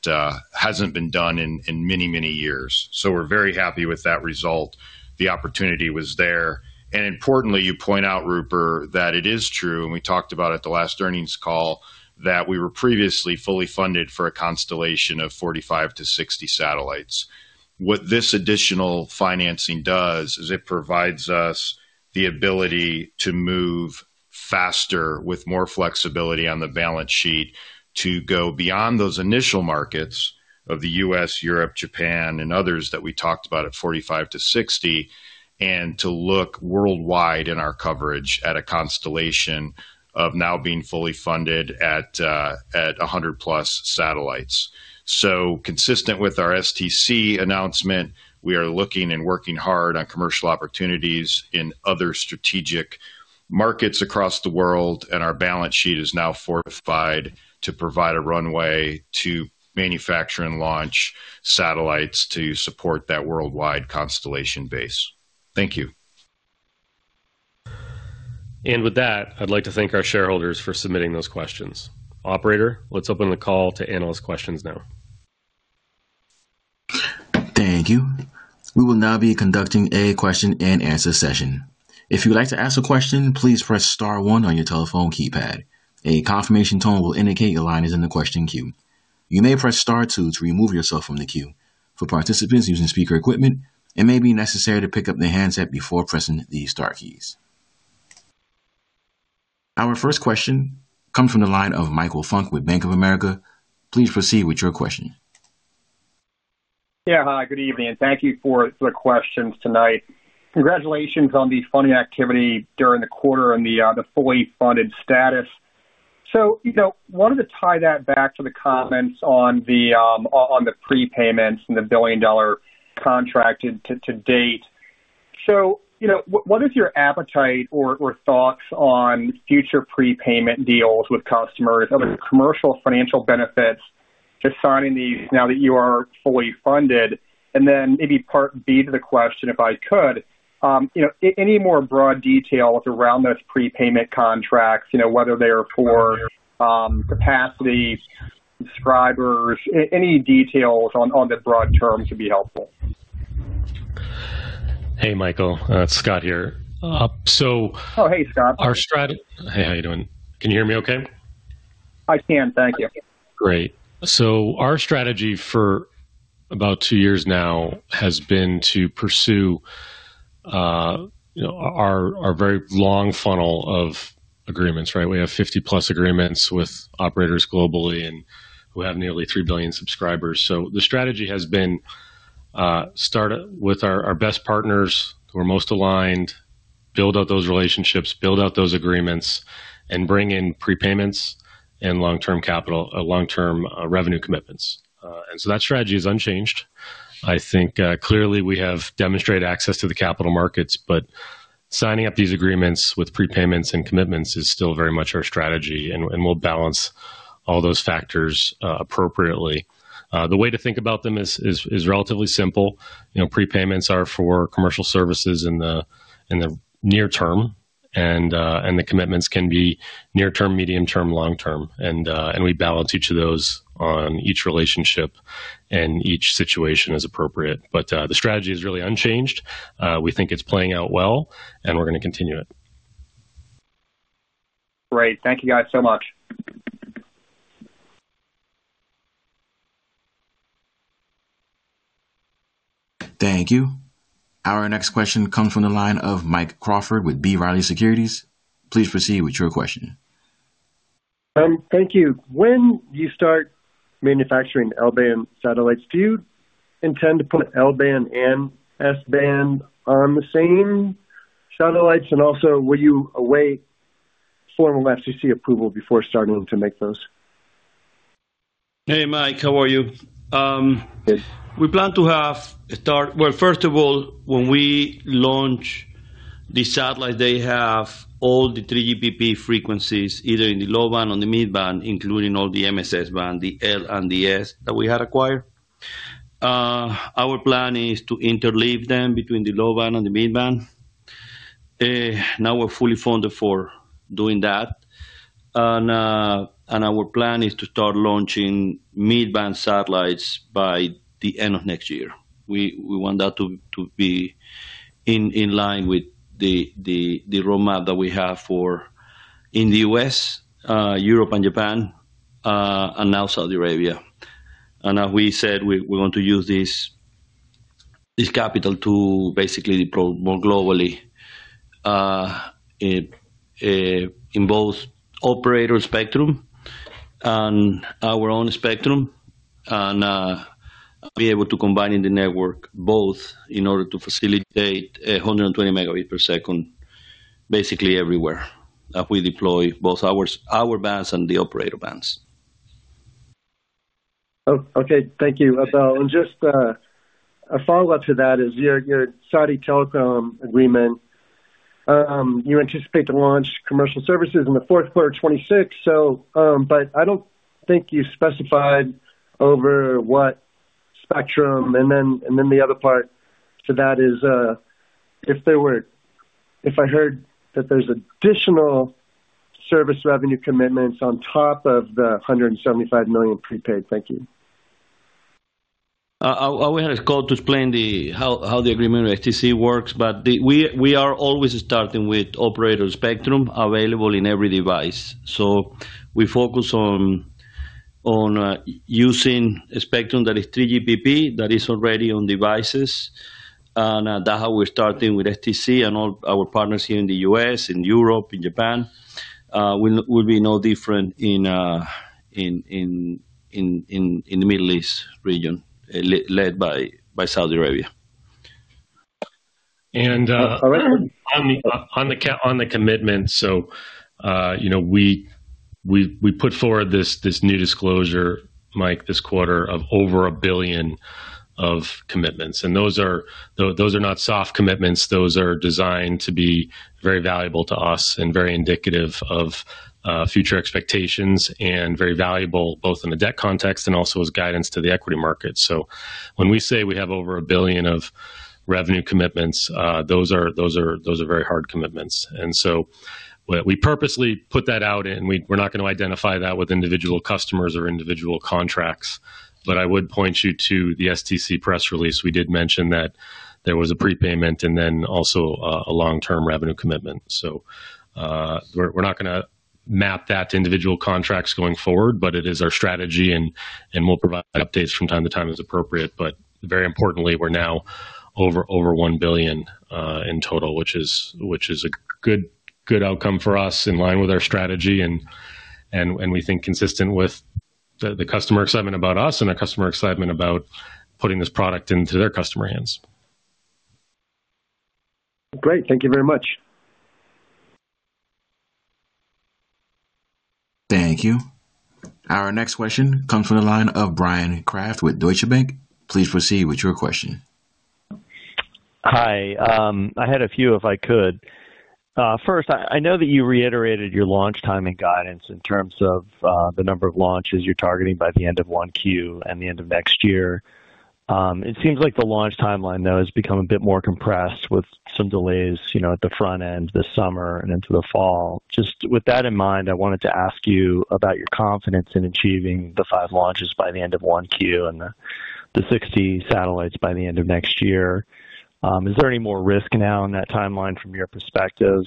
has not been done in many, many years. We are very happy with that result. The opportunity was there. Importantly, you point out, Ruper, that it is true, and we talked about it at the last earnings call, that we were previously fully funded for a constellation of 45-60 satellites. What this additional financing does is it provides us the ability to move faster with more flexibility on the balance sheet to go beyond those initial markets of the U.S., Europe, Japan, and others that we talked about at 45-60, and to look worldwide in our coverage at a constellation of now being fully funded at 100+ satellites. Consistent with our STC announcement, we are looking and working hard on commercial opportunities in other strategic markets across the world, and our balance sheet is now fortified to provide a runway to manufacture and launch satellites to support that worldwide constellation base. Thank you. With that, I'd like to thank our shareholders for submitting those questions. Operator, let's open the call to analyst questions now. Thank you. We will now be conducting a question-and-answer session. If you'd like to ask a question, please press star one on your telephone keypad. A confirmation tone will indicate your line is in the question queue. You may press star two to remove yourself from the queue. For participants using speaker equipment, it may be necessary to pick up the handset before pressing the star keys. Our first question comes from the line of Michael Funk with Bank of America. Please proceed with your question. Yeah, hi, good evening. Thank you for the questions tonight. Congratulations on the funding activity during the quarter and the fully funded status. You know, wanted to tie that back to the comments on the prepayments and the billion-dollar contract to date. You know, what is your appetite or thoughts on future prepayment deals with customers, other commercial financial benefits to signing these now that you are fully funded? Maybe part B to the question, if I could, any more broad details around those prepayment contracts, whether they're for capacity, subscribers, any details on the broad terms would be helpful. Hey, Michael, Scott here. Oh, hey, Scott. Our strategy. Hey, how are you doing? Can you hear me okay? I can, thank you. Great. Our strategy for about two years now has been to pursue our very long funnel of agreements, right? We have 50+ agreements with operators globally and we have nearly 3 billion subscribers. The strategy has been start with our best partners who are most aligned, build out those relationships, build out those agreements, and bring in prepayments and long-term capital, long-term revenue commitments. That strategy is unchanged. I think clearly we have demonstrated access to the capital markets, but signing up these agreements with prepayments and commitments is still very much our strategy, and we'll balance all those factors appropriately. The way to think about them is relatively simple. You know, prepayments are for commercial services in the near term, and the commitments can be near term, medium term, long term. We balance each of those on each relationship and each situation as appropriate. The strategy is really unchanged. We think it's playing out well, and we're going to continue it. Great. Thank you guys so much. Thank you. Our next question comes from the line of Mike Crawford with B. Riley Securities. Please proceed with your question. Thank you. When you start manufacturing L-band satellites, do you intend to put L-band and S-band on the same satellites? Also, were you awaiting formal FCC approval before starting to make those? Hey, Mike, how are you? We plan to have start, first of all, when we launch the satellites, they have all the 3GPP frequencies, either in the low band or the mid band, including all the MSS band, the L and the S that we had acquired. Our plan is to interleave them between the low band and the mid band. Now we're fully funded for doing that. Our plan is to start launching mid band satellites by the end of next year. We want that to be in line with the roadmap that we have for in the U.S., Europe, and Japan, and now Saudi Arabia. As we said, we want to use this capital to basically deploy more globally in both operator spectrum and our own spectrum and be able to combine in the network both in order to facilitate 120 Mbps basically everywhere as we deploy both our bands and the operator bands. Okay, thank you. Just a follow-up to that is your Saudi Telecom agreement. You anticipate to launch commercial services in the fourth quarter of 2026. I don't think you specified over what spectrum. Then the other part to that is if there were, if I heard that there's additional service revenue commitments on top of the $175 million prepaid. Thank you. I'll go ahead and call to explain how the agreement with STC works, but we are always starting with operator spectrum available in every device. We focus on using a spectrum that is 3GPP that is already on devices. That's how we're starting with STC and all our partners here in the U.S., in Europe, in Japan. It will be no different in the Middle East region led by Saudi Arabia. On the commitments, you know we put forward this new disclosure, Mike, this quarter of over $1 billion of commitments. Those are not soft commitments. Those are designed to be very valuable to us and very indicative of future expectations and very valuable both in the debt context and also as guidance to the equity markets. When we say we have over $1 billion of revenue commitments, those are very hard commitments. We purposely put that out and we're not going to identify that with individual customers or individual contracts. I would point you to the STC press release. We did mention that there was a prepayment and then also a long-term revenue commitment. We're not going to map that to individual contracts going forward, but it is our strategy and we'll provide updates from time to time as appropriate. Very importantly, we're now over $1 billion in total, which is a good outcome for us in line with our strategy and we think consistent with the customer excitement about us and our customer excitement about putting this product into their customer hands. Great. Thank you very much. Thank you. Our next question comes from the line of Bryan Kraft with Deutsche Bank. Please proceed with your question. Hi. I had a few if I could. First, I know that you reiterated your launch timing guidance in terms of the number of launches you're targeting by the end of 1Q and the end of next year. It seems like the launch timeline though has become a bit more compressed with some delays, you know, at the front end, the summer, and into the fall. Just with that in mind, I wanted to ask you about your confidence in achieving the five launches by the end of one Q and the 60 satellites by the end of next year. Is there any more risk now in that timeline from your perspective?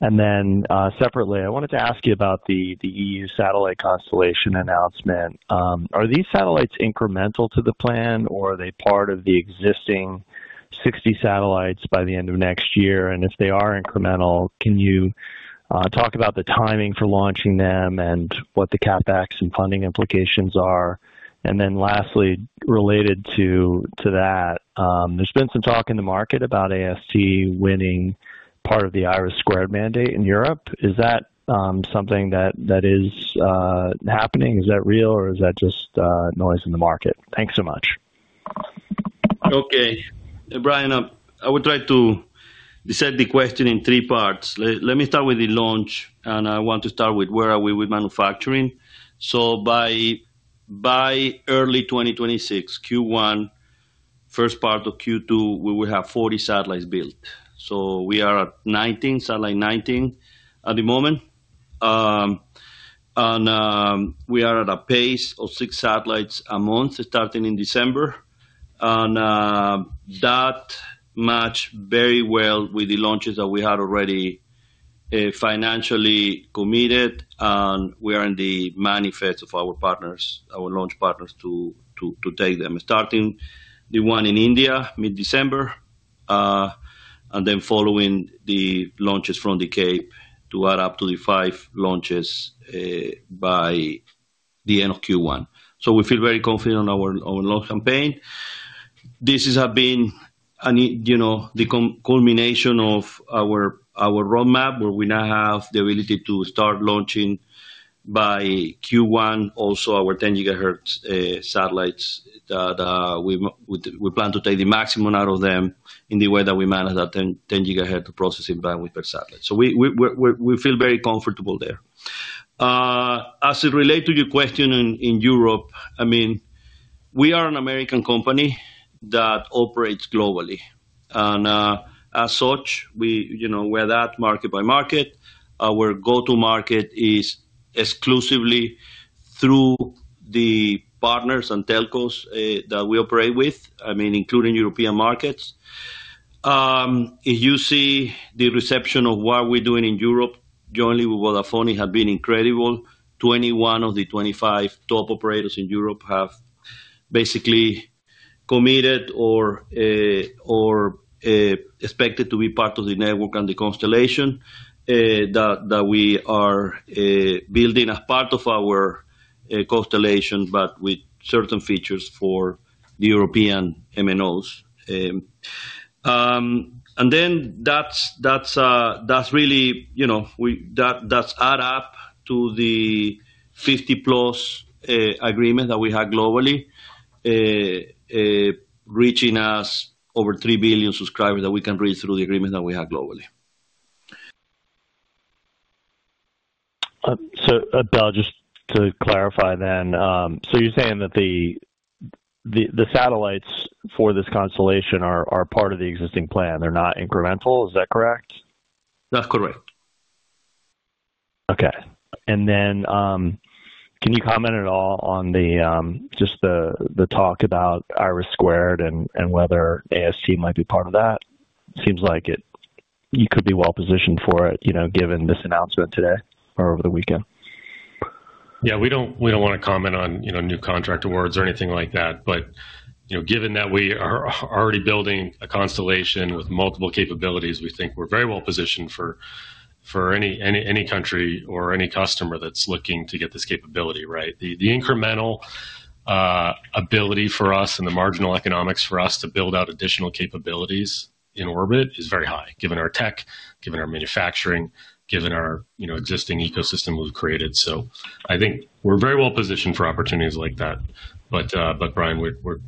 Then separately, I wanted to ask you about the EU satellite constellation announcement. Are these satellites incremental to the plan or are they part of the existing 60 satellites by the end of next year? If they are incremental, can you talk about the timing for launching them and what the CapEx and funding implications are? Lastly, related to that, there's been some talk in the market about AST winning part of the IRIS2 mandate in Europe. Is that something that is happening? Is that real or is that just noise in the market? Thanks so much. Okay. Brian, I would like to set the question in three parts. Let me start with the launch, and I want to start with where are we with manufacturing. By early 2026, Q1, first part of Q2, we will have 40 satellites built. We are at 19, satellite 19 at the moment. We are at a pace of six satellites a month starting in December. That matched very well with the launches that we had already financially committed, and we are in the manifest of our partners, our launch partners to take them, starting the one in India mid-December and then following the launches from the Cape to add up to the five launches by the end of Q1. We feel very confident on our launch campaign. This has been, you know, the culmination of our roadmap where we now have the ability to start launching by Q1 also our 10 GHz satellites that we plan to take the maximum out of them in the way that we manage that 10 GHz processing bandwidth per satellite. So we feel very comfortable there. As it relates to your question in Europe, I mean, we are an American company that operates globally. And as such, we are that market by market. Our go-to market is exclusively through the partners and telcos that we operate with, I mean, including European markets. You see the reception of what we're doing in Europe jointly with Vodafone has been incredible. Twenty-one of the twenty-five top operators in Europe have basically committed or are expected to be part of the network and the constellation that we are building as part of our constellation, but with certain features for the European MNOs. That really, you know, adds up to the 50+ agreements that we have globally, reaching us over 3 billion subscribers that we can reach through the agreements that we have globally. Just to clarify then, you are saying that the satellites for this constellation are part of the existing plan. They are not incremental. Is that correct? That is correct. Okay. Can you comment at all on just the talk about IRIS2 and whether AST might be part of that? Seems like you could be well positioned for it, you know, given this announcement today or over the weekend. Yeah, we don't want to comment on, you know, new contract awards or anything like that. But, you know, given that we are already building a constellation with multiple capabilities, we think we're very well positioned for any country or any customer that's looking to get this capability, right? The incremental ability for us and the marginal economics for us to build out additional capabilities in orbit is very high, given our tech, given our manufacturing, given our existing ecosystem we've created. So I think we're very well positioned for opportunities like that. But, Bryan, we're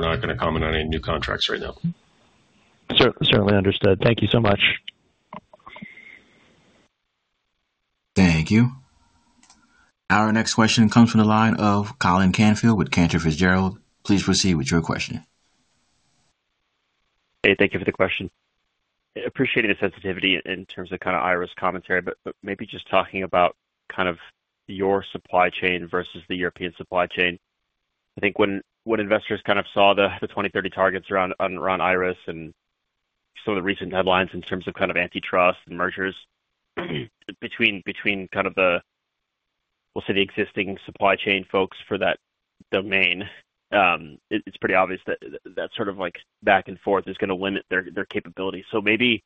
not going to comment on any new contracts right now. Certainly understood. Thank you so much. Thank you. Our next question comes from the line of Colin Canfield with Cantor Fitzgerald. Please proceed with your question. Hey, thank you for the question. Appreciating the sensitivity in terms of kind of IRIS commentary, but maybe just talking about kind of your supply chain versus the European supply chain. I think when investors kind of saw the 2030 targets around IRIS and some of the recent headlines in terms of kind of antitrust and mergers between kind of the, we'll say, the existing supply chain folks for that domain, it's pretty obvious that that sort of like back and forth is going to limit their capability. Maybe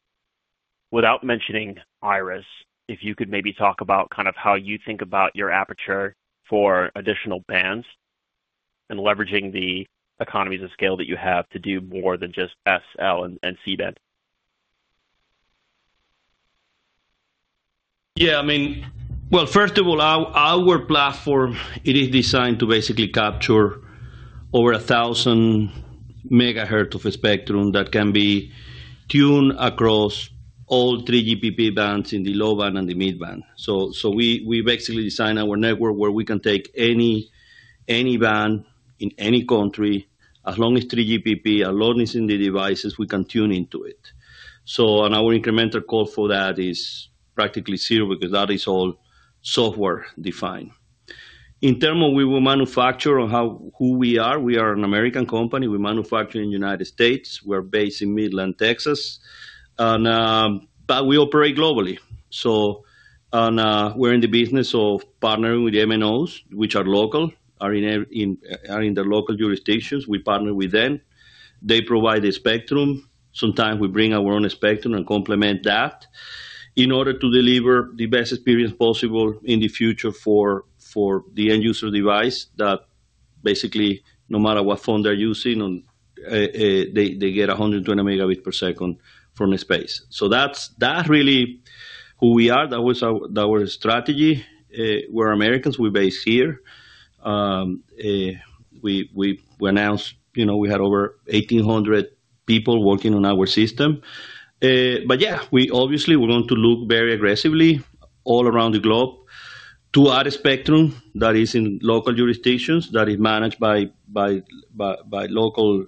without mentioning IRIS, if you could maybe talk about kind of how you think about your aperture for additional bands and leveraging the economies of scale that you have to do more than just SL and C-band. Yeah, I mean, first of all, our platform, it is designed to basically capture over 1,000 MHz of spectrum that can be tuned across all 3GPP bands in the low band and the mid band. So we basically design our network where we can take any band in any country, as long as 3GPP, as long as in the devices, we can tune into it. So our incremental call for that is practically zero because that is all software defined. In terms of who we manufacture and who we are, we are an American company. We manufacture in the United States. We're based in Midland, Texas. We operate globally. We're in the business of partnering with MNOs, which are local, are in their local jurisdictions. We partner with them. They provide the spectrum. Sometimes we bring our own spectrum and complement that in order to deliver the best experience possible in the future for the end user device that basically, no matter what phone they're using, they get 120 Mbs from the space. That is really who we are. That was our strategy. We're Americans. We're based here. We announced, you know, we had over 1,800 people working on our system. Yeah, we obviously want to look very aggressively all around the globe to add a spectrum that is in local jurisdictions that is managed by local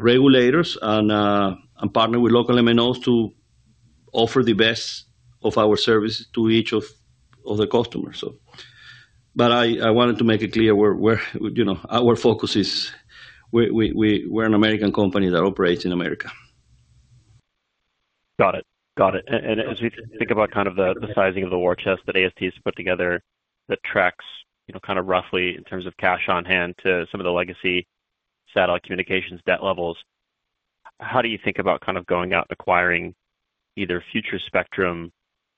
regulators and partner with local MNOs to offer the best of our services to each of the customers. I wanted to make it clear where, you know, our focus is. We're an American company that operates in America. Got it. Got it. As we think about kind of the sizing of the war chest that AST has put together that tracks, you know, kind of roughly in terms of cash on hand to some of the legacy satellite communications debt levels, how do you think about kind of going out and acquiring either future spectrum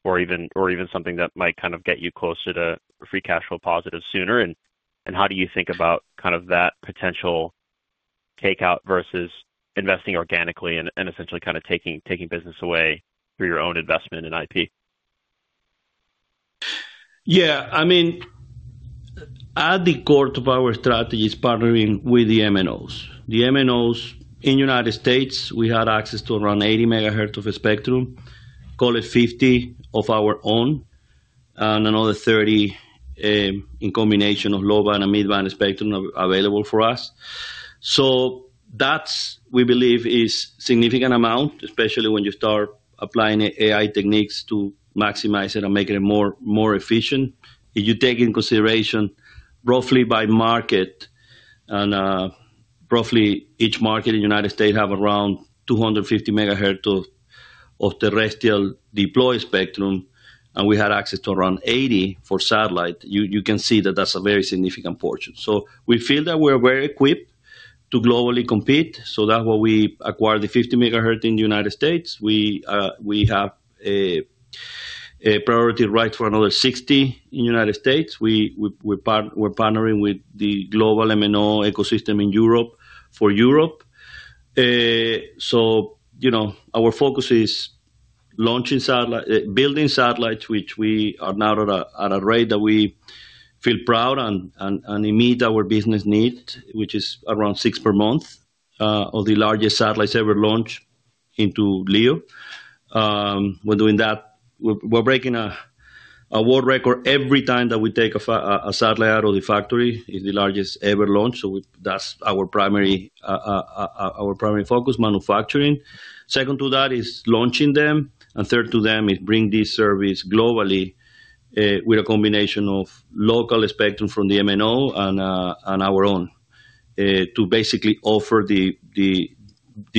or even something that might kind of get you closer to free cash flow positive sooner? How do you think about kind of that potential takeout versus investing organically and essentially kind of taking business away through your own investment in IP? Yeah, I mean, at the core of our strategy is partnering with the MNOs. The MNOs in the United States, we had access to around 80 MHz of spectrum, call it 50 MHz of our own, and another 30 MHz in combination of low band and mid band spectrum available for us. That, we believe, is a significant amount, especially when you start applying AI techniques to maximize it and make it more efficient. If you take into consideration roughly by market and roughly each market in the U.S. has around 250 MHz of terrestrial deployed spectrum, and we had access to around 80 MHz for satellite, you can see that that is a very significant portion. We feel that we are very equipped to globally compete. That is why we acquired the 50 MHz in the United States. We have priority rights for another 60 MHz in the United States. We are partnering with the global MNO ecosystem in Europe for Europe. You know, our focus is building satellites, which we are now at a rate that we feel proud and meet our business needs, which is around six per month of the largest satellites ever launched into LEO. We are doing that. We're breaking a world record every time that we take a satellite out of the factory. It's the largest ever launched. That's our primary focus: manufacturing. Second to that is launching them. Third to that is bringing this service globally with a combination of local spectrum from the MNO and our own to basically offer the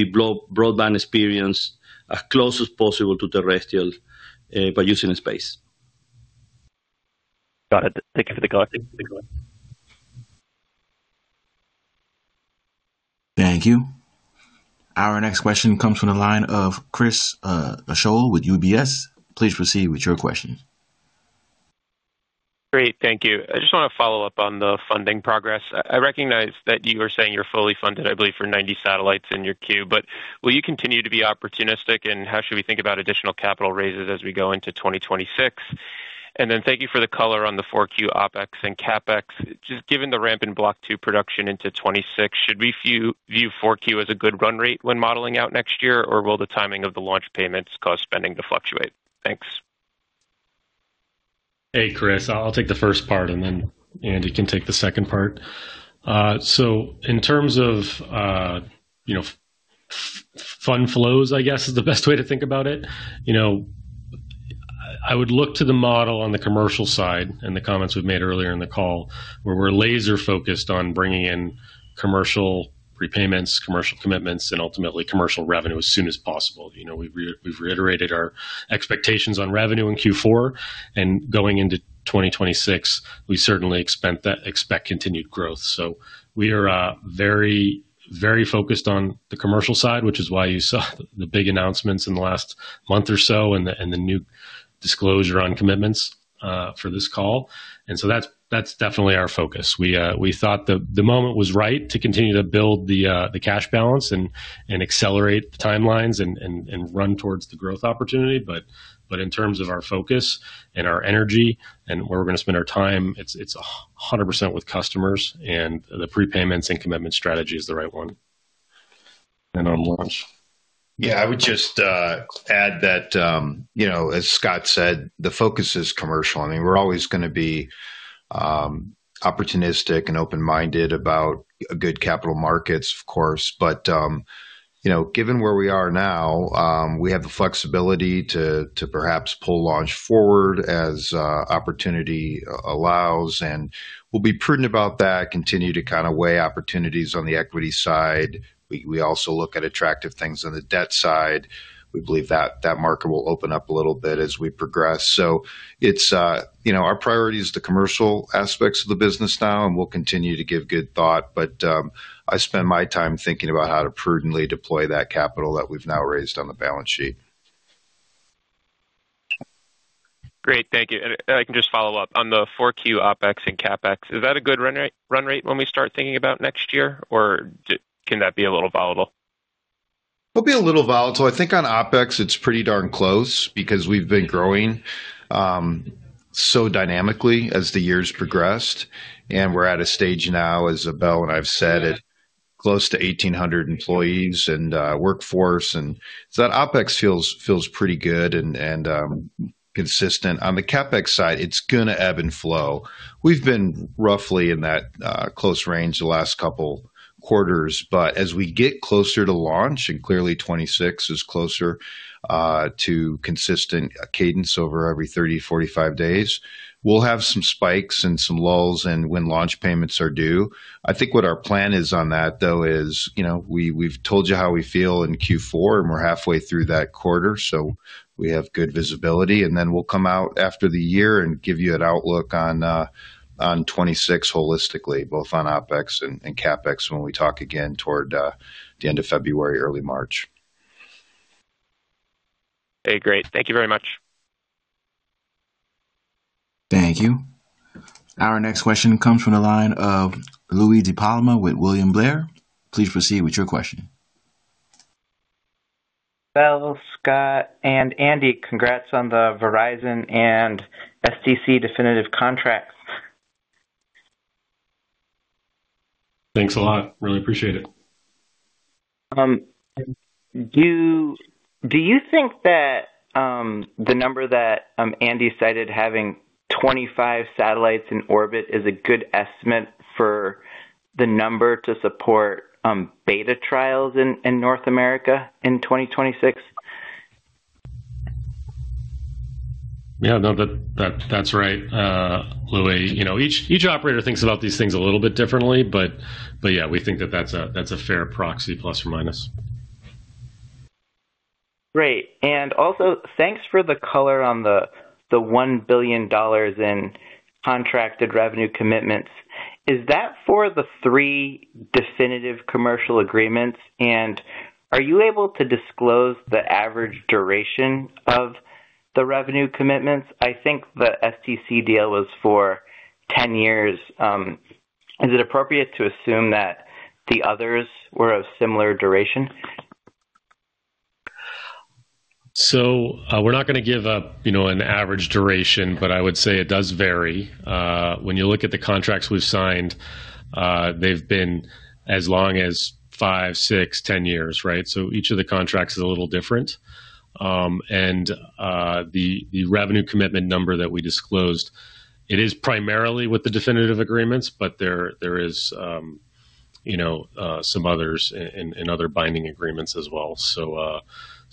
broadband experience as close as possible to terrestrial by using space. Got it. Thank you for the comment. Thank you. Our next question comes from the line of Chris Schoell with UBS. Please proceed with your question. Great. Thank you. I just want to follow up on the funding progress. I recognize that you were saying you're fully funded, I believe, for 90 satellites in your queue, but will you continue to be opportunistic? How should we think about additional capital raises as we go into 2026? Thank you for the color on the Q4 OpEx and CapEx. Just given the ramp in Block 2 production into 2026, should we view Q4 as a good run rate when modeling out next year, or will the timing of the launch payments cause spending to fluctuate? Thanks. Hey, Chris, I'll take the first part, and then Andy can take the second part. In terms of, you know, fund flows, I guess is the best way to think about it. I would look to the model on the commercial side and the comments we've made earlier in the call where we're laser-focused on bringing in commercial repayments, commercial commitments, and ultimately commercial revenue as soon as possible. We've reiterated our expectations on revenue in Q4, and going into 2026, we certainly expect continued growth. We are very, very focused on the commercial side, which is why you saw the big announcements in the last month or so and the new disclosure on commitments for this call. That is definitely our focus. We thought the moment was right to continue to build the cash balance and accelerate the timelines and run towards the growth opportunity. In terms of our focus and our energy and where we are going to spend our time, it is 100% with customers, and the prepayments and commitment strategy is the right one on a launch. I would just add that, you know, as Scott said, the focus is commercial. I mean, we are always going to be opportunistic and open-minded about good capital markets, of course. You know, given where we are now, we have the flexibility to perhaps pull launch forward as opportunity allows, and we'll be prudent about that, continue to kind of weigh opportunities on the equity side. We also look at attractive things on the debt side. We believe that market will open up a little bit as we progress. It's, you know, our priority is the commercial aspects of the business now, and we'll continue to give good thought. I spend my time thinking about how to prudently deploy that capital that we've now raised on the balance sheet. Great. Thank you. I can just follow up on the 4Q OpEx and CapEx. Is that a good run rate when we start thinking about next year, or can that be a little volatile? It'll be a little volatile. I think on OpEx, it's pretty darn close because we've been growing so dynamically as the years progressed. We're at a stage now, as Abel and I have said, at close to 1,800 employees and workforce. That OpEx feels pretty good and consistent. On the CapEx side, it's going to ebb and flow. We've been roughly in that close range the last couple of quarters. As we get closer to launch, and clearly 2026 is closer to consistent cadence over every 30-45 days, we'll have some spikes and some lulls when launch payments are due. I think what our plan is on that, though, is, you know, we've told you how we feel in Q4, and we're halfway through that quarter. We have good visibility. Then we'll come out after the year and give you an outlook on 2026 holistically, both on OpEx and CapEx when we talk again toward the end of February, early March. Hey, great. Thank you very much. Thank you. Our next question comes from the line of Louie DiPalma with William Blair. Please proceed with your question. Abell, Scott, and Andy, congrats on the Verizon and STC definitive contracts. Thanks a lot. Really appreciate it. Do you think that the number that Andy cited, having 25 satellites in orbit, is a good estimate for the number to support beta trials in North America in 2026? Yeah, no, that's right, Louis. You know, each operator thinks about these things a little bit differently, but yeah, we think that that's a fair proxy, plus or minus. Great. Also, thanks for the color on the $1 billion in contracted revenue commitments. Is that for the three definitive commercial agreements? Are you able to disclose the average duration of the revenue commitments? I think the STC deal was for 10 years. Is it appropriate to assume that the others were of similar duration? We're not going to give up, you know, an average duration, but I would say it does vary. When you look at the contracts we've signed, they've been as long as five, six, ten years, right? Each of the contracts is a little different. The revenue commitment number that we disclosed, it is primarily with the definitive agreements, but there is, you know, some others in other binding agreements as well.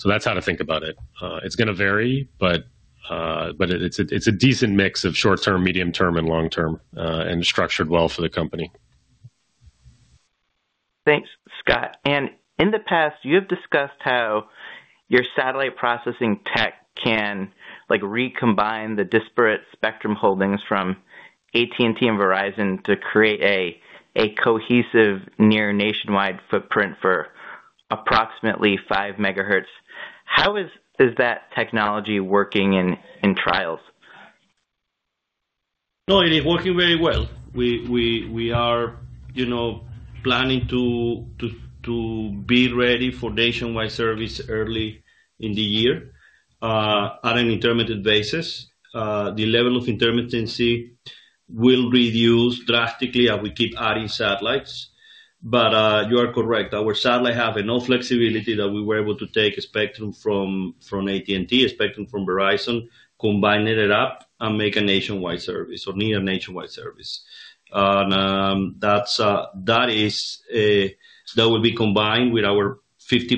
That's how to think about it. It's going to vary, but it's a decent mix of short-term, medium-term, and long-term, and structured well for the company. Thanks, Scott. In the past, you have discussed how your satellite processing tech can, like, recombine the disparate spectrum holdings from AT&T and Verizon to create a cohesive near nationwide footprint for approximately 5 MHz. How is that technology working in trials? It is working very well. We are, you know, planning to be ready for nationwide service early in the year on an intermittent basis. The level of intermittency will reduce drastically as we keep adding satellites. You are correct. Our satellites have enough flexibility that we were able to take a spectrum from AT&T, a spectrum from Verizon, combine it up, and make a nationwide service or near nationwide service. That will be combined with our 50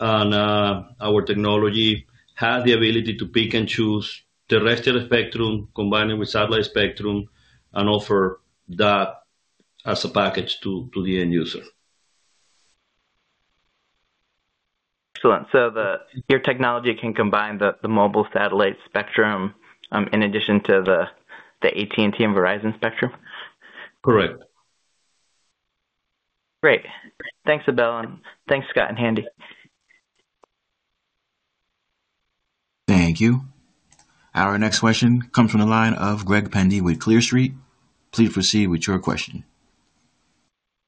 MHz. Our technology has the ability to pick and choose terrestrial spectrum, combine it with satellite spectrum, and offer that as a package to the end user. Excellent. Your technology can combine the mobile satellite spectrum in addition to the AT&T and Verizon spectrum? Correct. Great. Thanks, Abel, and thanks, Scott and Andy. Thank you. Our next question comes from the line of Greg Pendy with Clear Street. Please proceed with your question.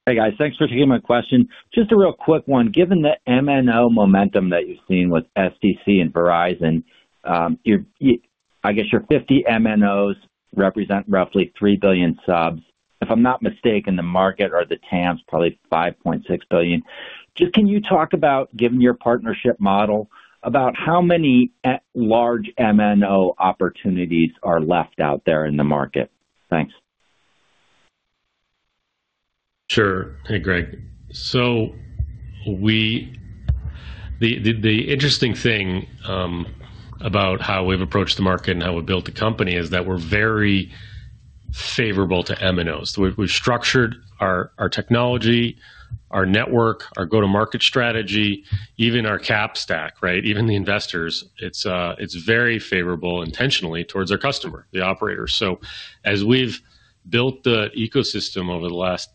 Hey, guys, thanks for taking my question. Just a real quick one. Given the MNO momentum that you've seen with STC and Verizon, I guess your 50 MNOs represent roughly 3 billion subs. If I'm not mistaken, the market or the TAM is probably 5.6 billion. Just can you talk about, given your partnership model, about how many large MNO opportunities are left out there in the market? Thanks. Sure. Hey, Greg.The interesting thing about how we've approached the market and how we've built the company is that we're very favorable to MNOs. We've structured our technology, our network, our go-to-market strategy, even our cap stack, right? Even the investors, it's very favorable intentionally towards our customer, the operators. As we've built the ecosystem over the last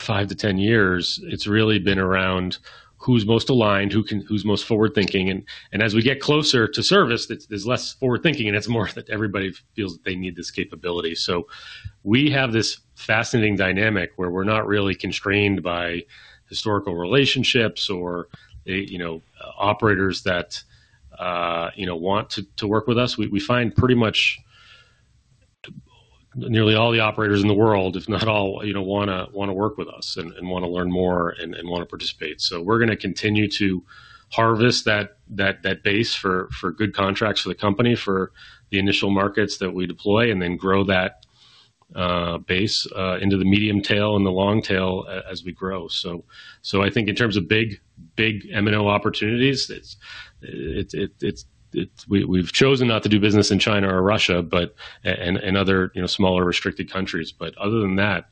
five to ten years, it's really been around who's most aligned, who's most forward-thinking. As we get closer to service, there's less forward-thinking, and it's more that everybody feels that they need this capability. We have this fascinating dynamic where we're not really constrained by historical relationships or, you know, operators that, you know, want to work with us. We find pretty much nearly all the operators in the world, if not all, you know, want to work with us and want to learn more and want to participate. We're going to continue to harvest that base for good contracts for the company, for the initial markets that we deploy, and then grow that base into the medium tail and the long tail as we grow. I think in terms of big, big MNO opportunities, we've chosen not to do business in China or Russia and other, you know, smaller restricted countries. Other than that,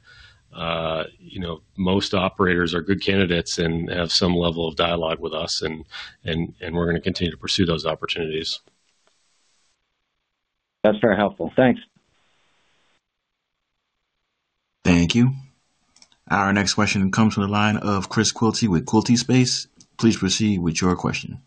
you know, most operators are good candidates and have some level of dialogue with us, and we're going to continue to pursue those opportunities. That's very helpful. Thanks. Thank you. Our next question comes from the line of Chris Quilty with Quilty Space. Please proceed with your question.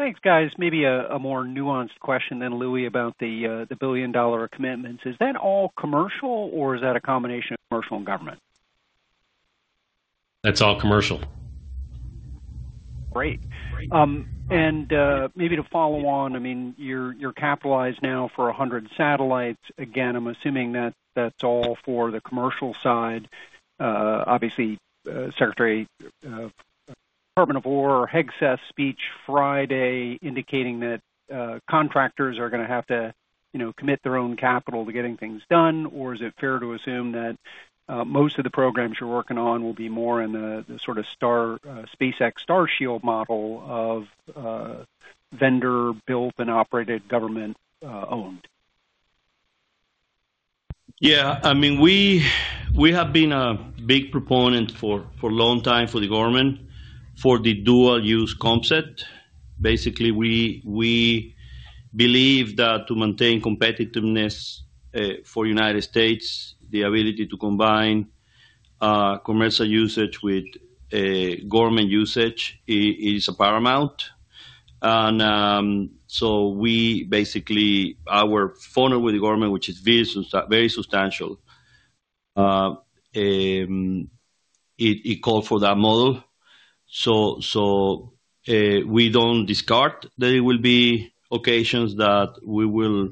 Thanks, guys. Maybe a more nuanced question than, Louis, about the billion-dollar commitments. Is that all commercial, or is that a combination of commercial and government? That's all commercial. Great. Maybe to follow on, I mean, you're capitalized now for 100 satellites. Again, I'm assuming that that's all for the commercial side. Obviously, Secretary Department of War or Hegseth speech Friday indicating that contractors are going to have to, you know, commit their own capital to getting things done. Is it fair to assume that most of the programs you're working on will be more in the sort of SpaceX Starshield model of vendor-built and operated government-owned? Yeah, I mean, we have been a big proponent for a long time for the government for the dual-use concept. Basically, we believe that to maintain competitiveness for the United States, the ability to combine commercial usage with government usage is paramount. We basically, our funnel with the government, which is very substantial, it calls for that model. We do not discard that there will be occasions that we will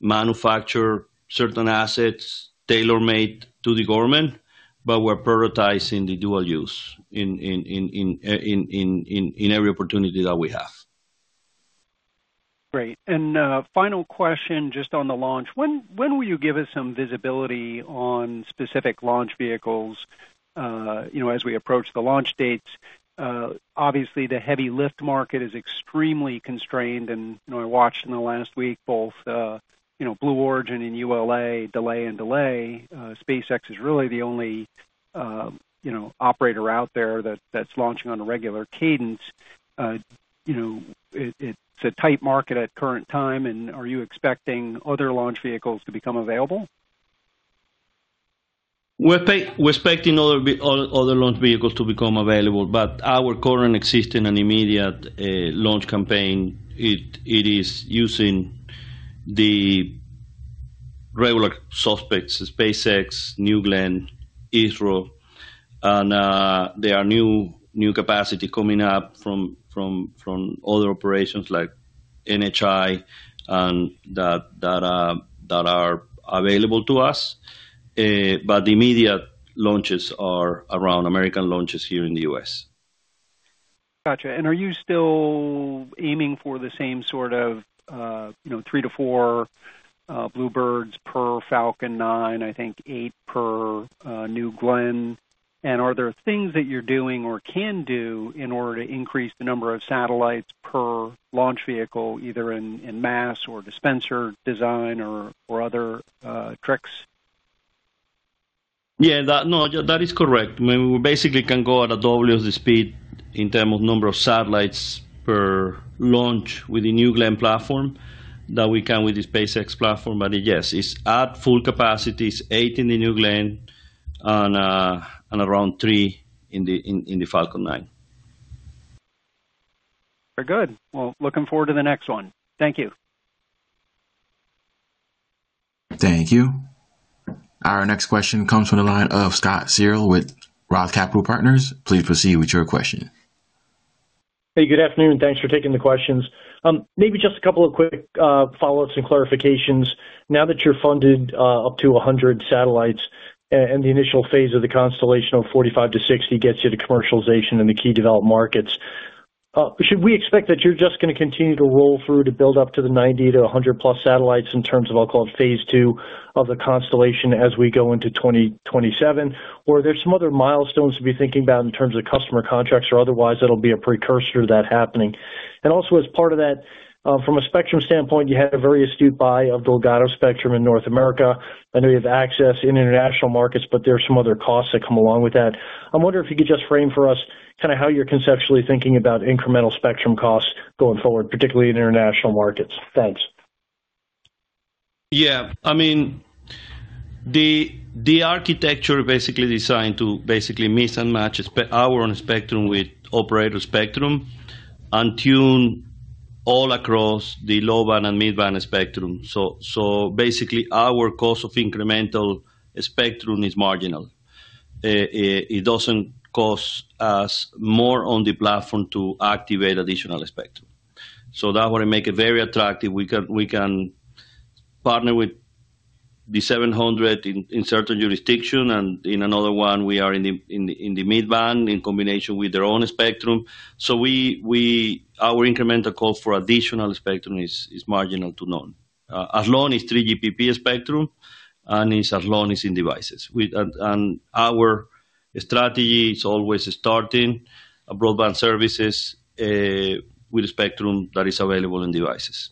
manufacture certain assets tailor-made to the government, but we are prioritizing the dual-use in every opportunity that we have. Great. Final question just on the launch. When will you give us some visibility on specific launch vehicles, you know, as we approach the launch dates? Obviously, the heavy lift market is extremely constrained. I watched in the last week both, you know, Blue Origin and ULA, delay and delay. SpaceX is really the only, you know, operator out there that is launching on a regular cadence. You know, it is a tight market at the current time. Are you expecting other launch vehicles to become available? We are expecting other launch vehicles to become available. Our current existing and immediate launch campaign, it is using the regular suspects: SpaceX, New Glenn, Israel. There are new capacities coming up from other operations like NHI that are available to us. The immediate launches are around American launches here in the U.S. Gotcha. Are you still aiming for the same sort of, you know, three to four BlueBird satellites per Falcon 9, I think eight per New Glenn? Are there things that you're doing or can do in order to increase the number of satellites per launch vehicle, either in mass or dispenser design or other tricks? Yeah, no, that is correct. I mean, we basically can go at a double-use speed in terms of number of satellites per launch with the New Glenn platform that we can with the SpaceX platform. Yes, it's at full capacities, eight in the New Glenn and around three in the Falcon 9. Very good. Looking forward to the next one. Thank you. Thank you. Our next question comes from the line of Scott Searle with ROTH Capital Partners. Please proceed with your question. Hey, good afternoon. Thanks for taking the questions. Maybe just a couple of quick follow-ups and clarifications. Now that you're funded up to 100 satellites and the initial phase of the constellation of 45-60 gets you to commercialization in the key developed markets, should we expect that you're just going to continue to roll through to build up to the 90-100+ satellites in terms of what I'll call phase two of the constellation as we go into 2027? Or are there some other milestones to be thinking about in terms of customer contracts or otherwise that'll be a precursor to that happening? Also, as part of that, from a spectrum standpoint, you had a very astute buy of the Ligado spectrum in North America. I know you have access in international markets, but there are some other costs that come along with that. I'm wondering if you could just frame for us kind of how you're conceptually thinking about incremental spectrum costs going forward, particularly in international markets. Thanks. Yeah, I mean, the architecture is basically designed to basically mix and match our own spectrum with operator spectrum and tune all across the low-band and mid-band spectrum. So basically, our cost of incremental spectrum is marginal. It doesn't cost us more on the platform to activate additional spectrum. That would make it very attractive. We can partner with the 700 in certain jurisdictions, and in another one, we are in the mid-band in combination with their own spectrum. Our incremental cost for additional spectrum is marginal to none. As long as 3GPP spectrum and as long as in devices. Our strategy is always starting broadband services with a spectrum that is available in devices.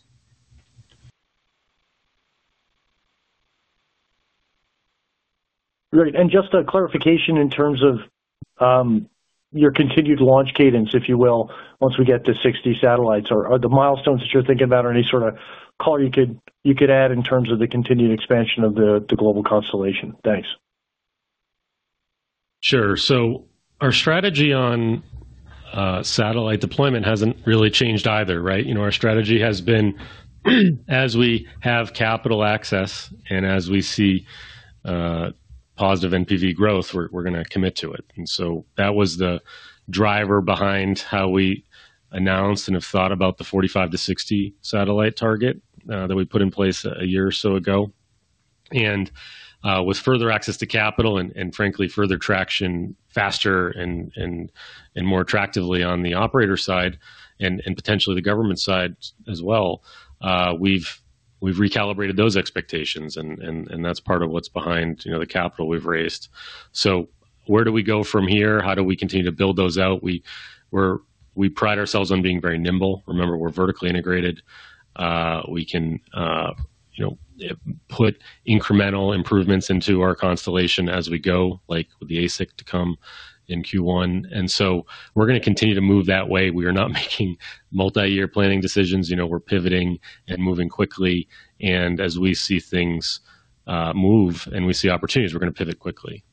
Great. Just a clarification in terms of your continued launch cadence, if you will, once we get to 60 satellites. Are there milestones that you're thinking about or any sort of color you could add in terms of the continued expansion of the global constellation? Thanks. Sure. Our strategy on satellite deployment has not really changed either, right? You know, our strategy has been, as we have capital access and as we see positive NPV growth, we're going to commit to it. That was the driver behind how we announced and have thought about the 45-60 satellite target that we put in place a year or so ago. With further access to capital and, frankly, further traction faster and more attractively on the operator side and potentially the government side as well, we've recalibrated those expectations. That is part of what is behind the capital we've raised. Where do we go from here? How do we continue to build those out? We pride ourselves on being very nimble. Remember, we're vertically integrated. We can, you know, put incremental improvements into our constellation as we go, like with the ASIC to come in Q1. We are going to continue to move that way. We are not making multi-year planning decisions. You know, we're pivoting and moving quickly. As we see things move and we see opportunities, we're going to pivot quickly.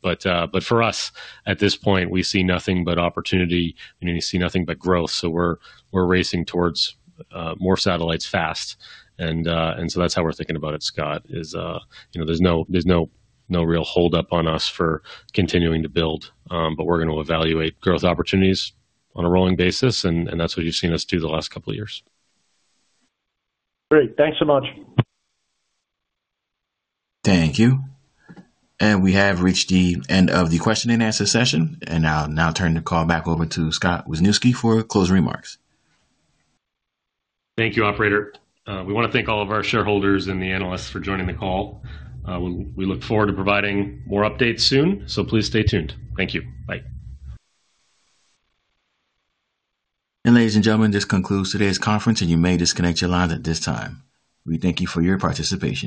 For us, at this point, we see nothing but opportunity. We see nothing but growth. We are racing towards more satellites fast. And so that's how we're thinking about it, Scott, is, you know, there's no real hold-up on us for continuing to build. But we're going to evaluate growth opportunities on a rolling basis. And that's what you've seen us do the last couple of years. Great. Thanks so much. Thank you. We have reached the end of the question-and-answer session. I'll now turn the call back over to Scott Wisniewski for closing remarks. Thank you, Operator. We want to thank all of our shareholders and the analysts for joining the call. We look forward to providing more updates soon. Please stay tuned. Thank you. Bye. Ladies and gentlemen, this concludes today's conference, and you may disconnect your lines at this time. We thank you for your participation.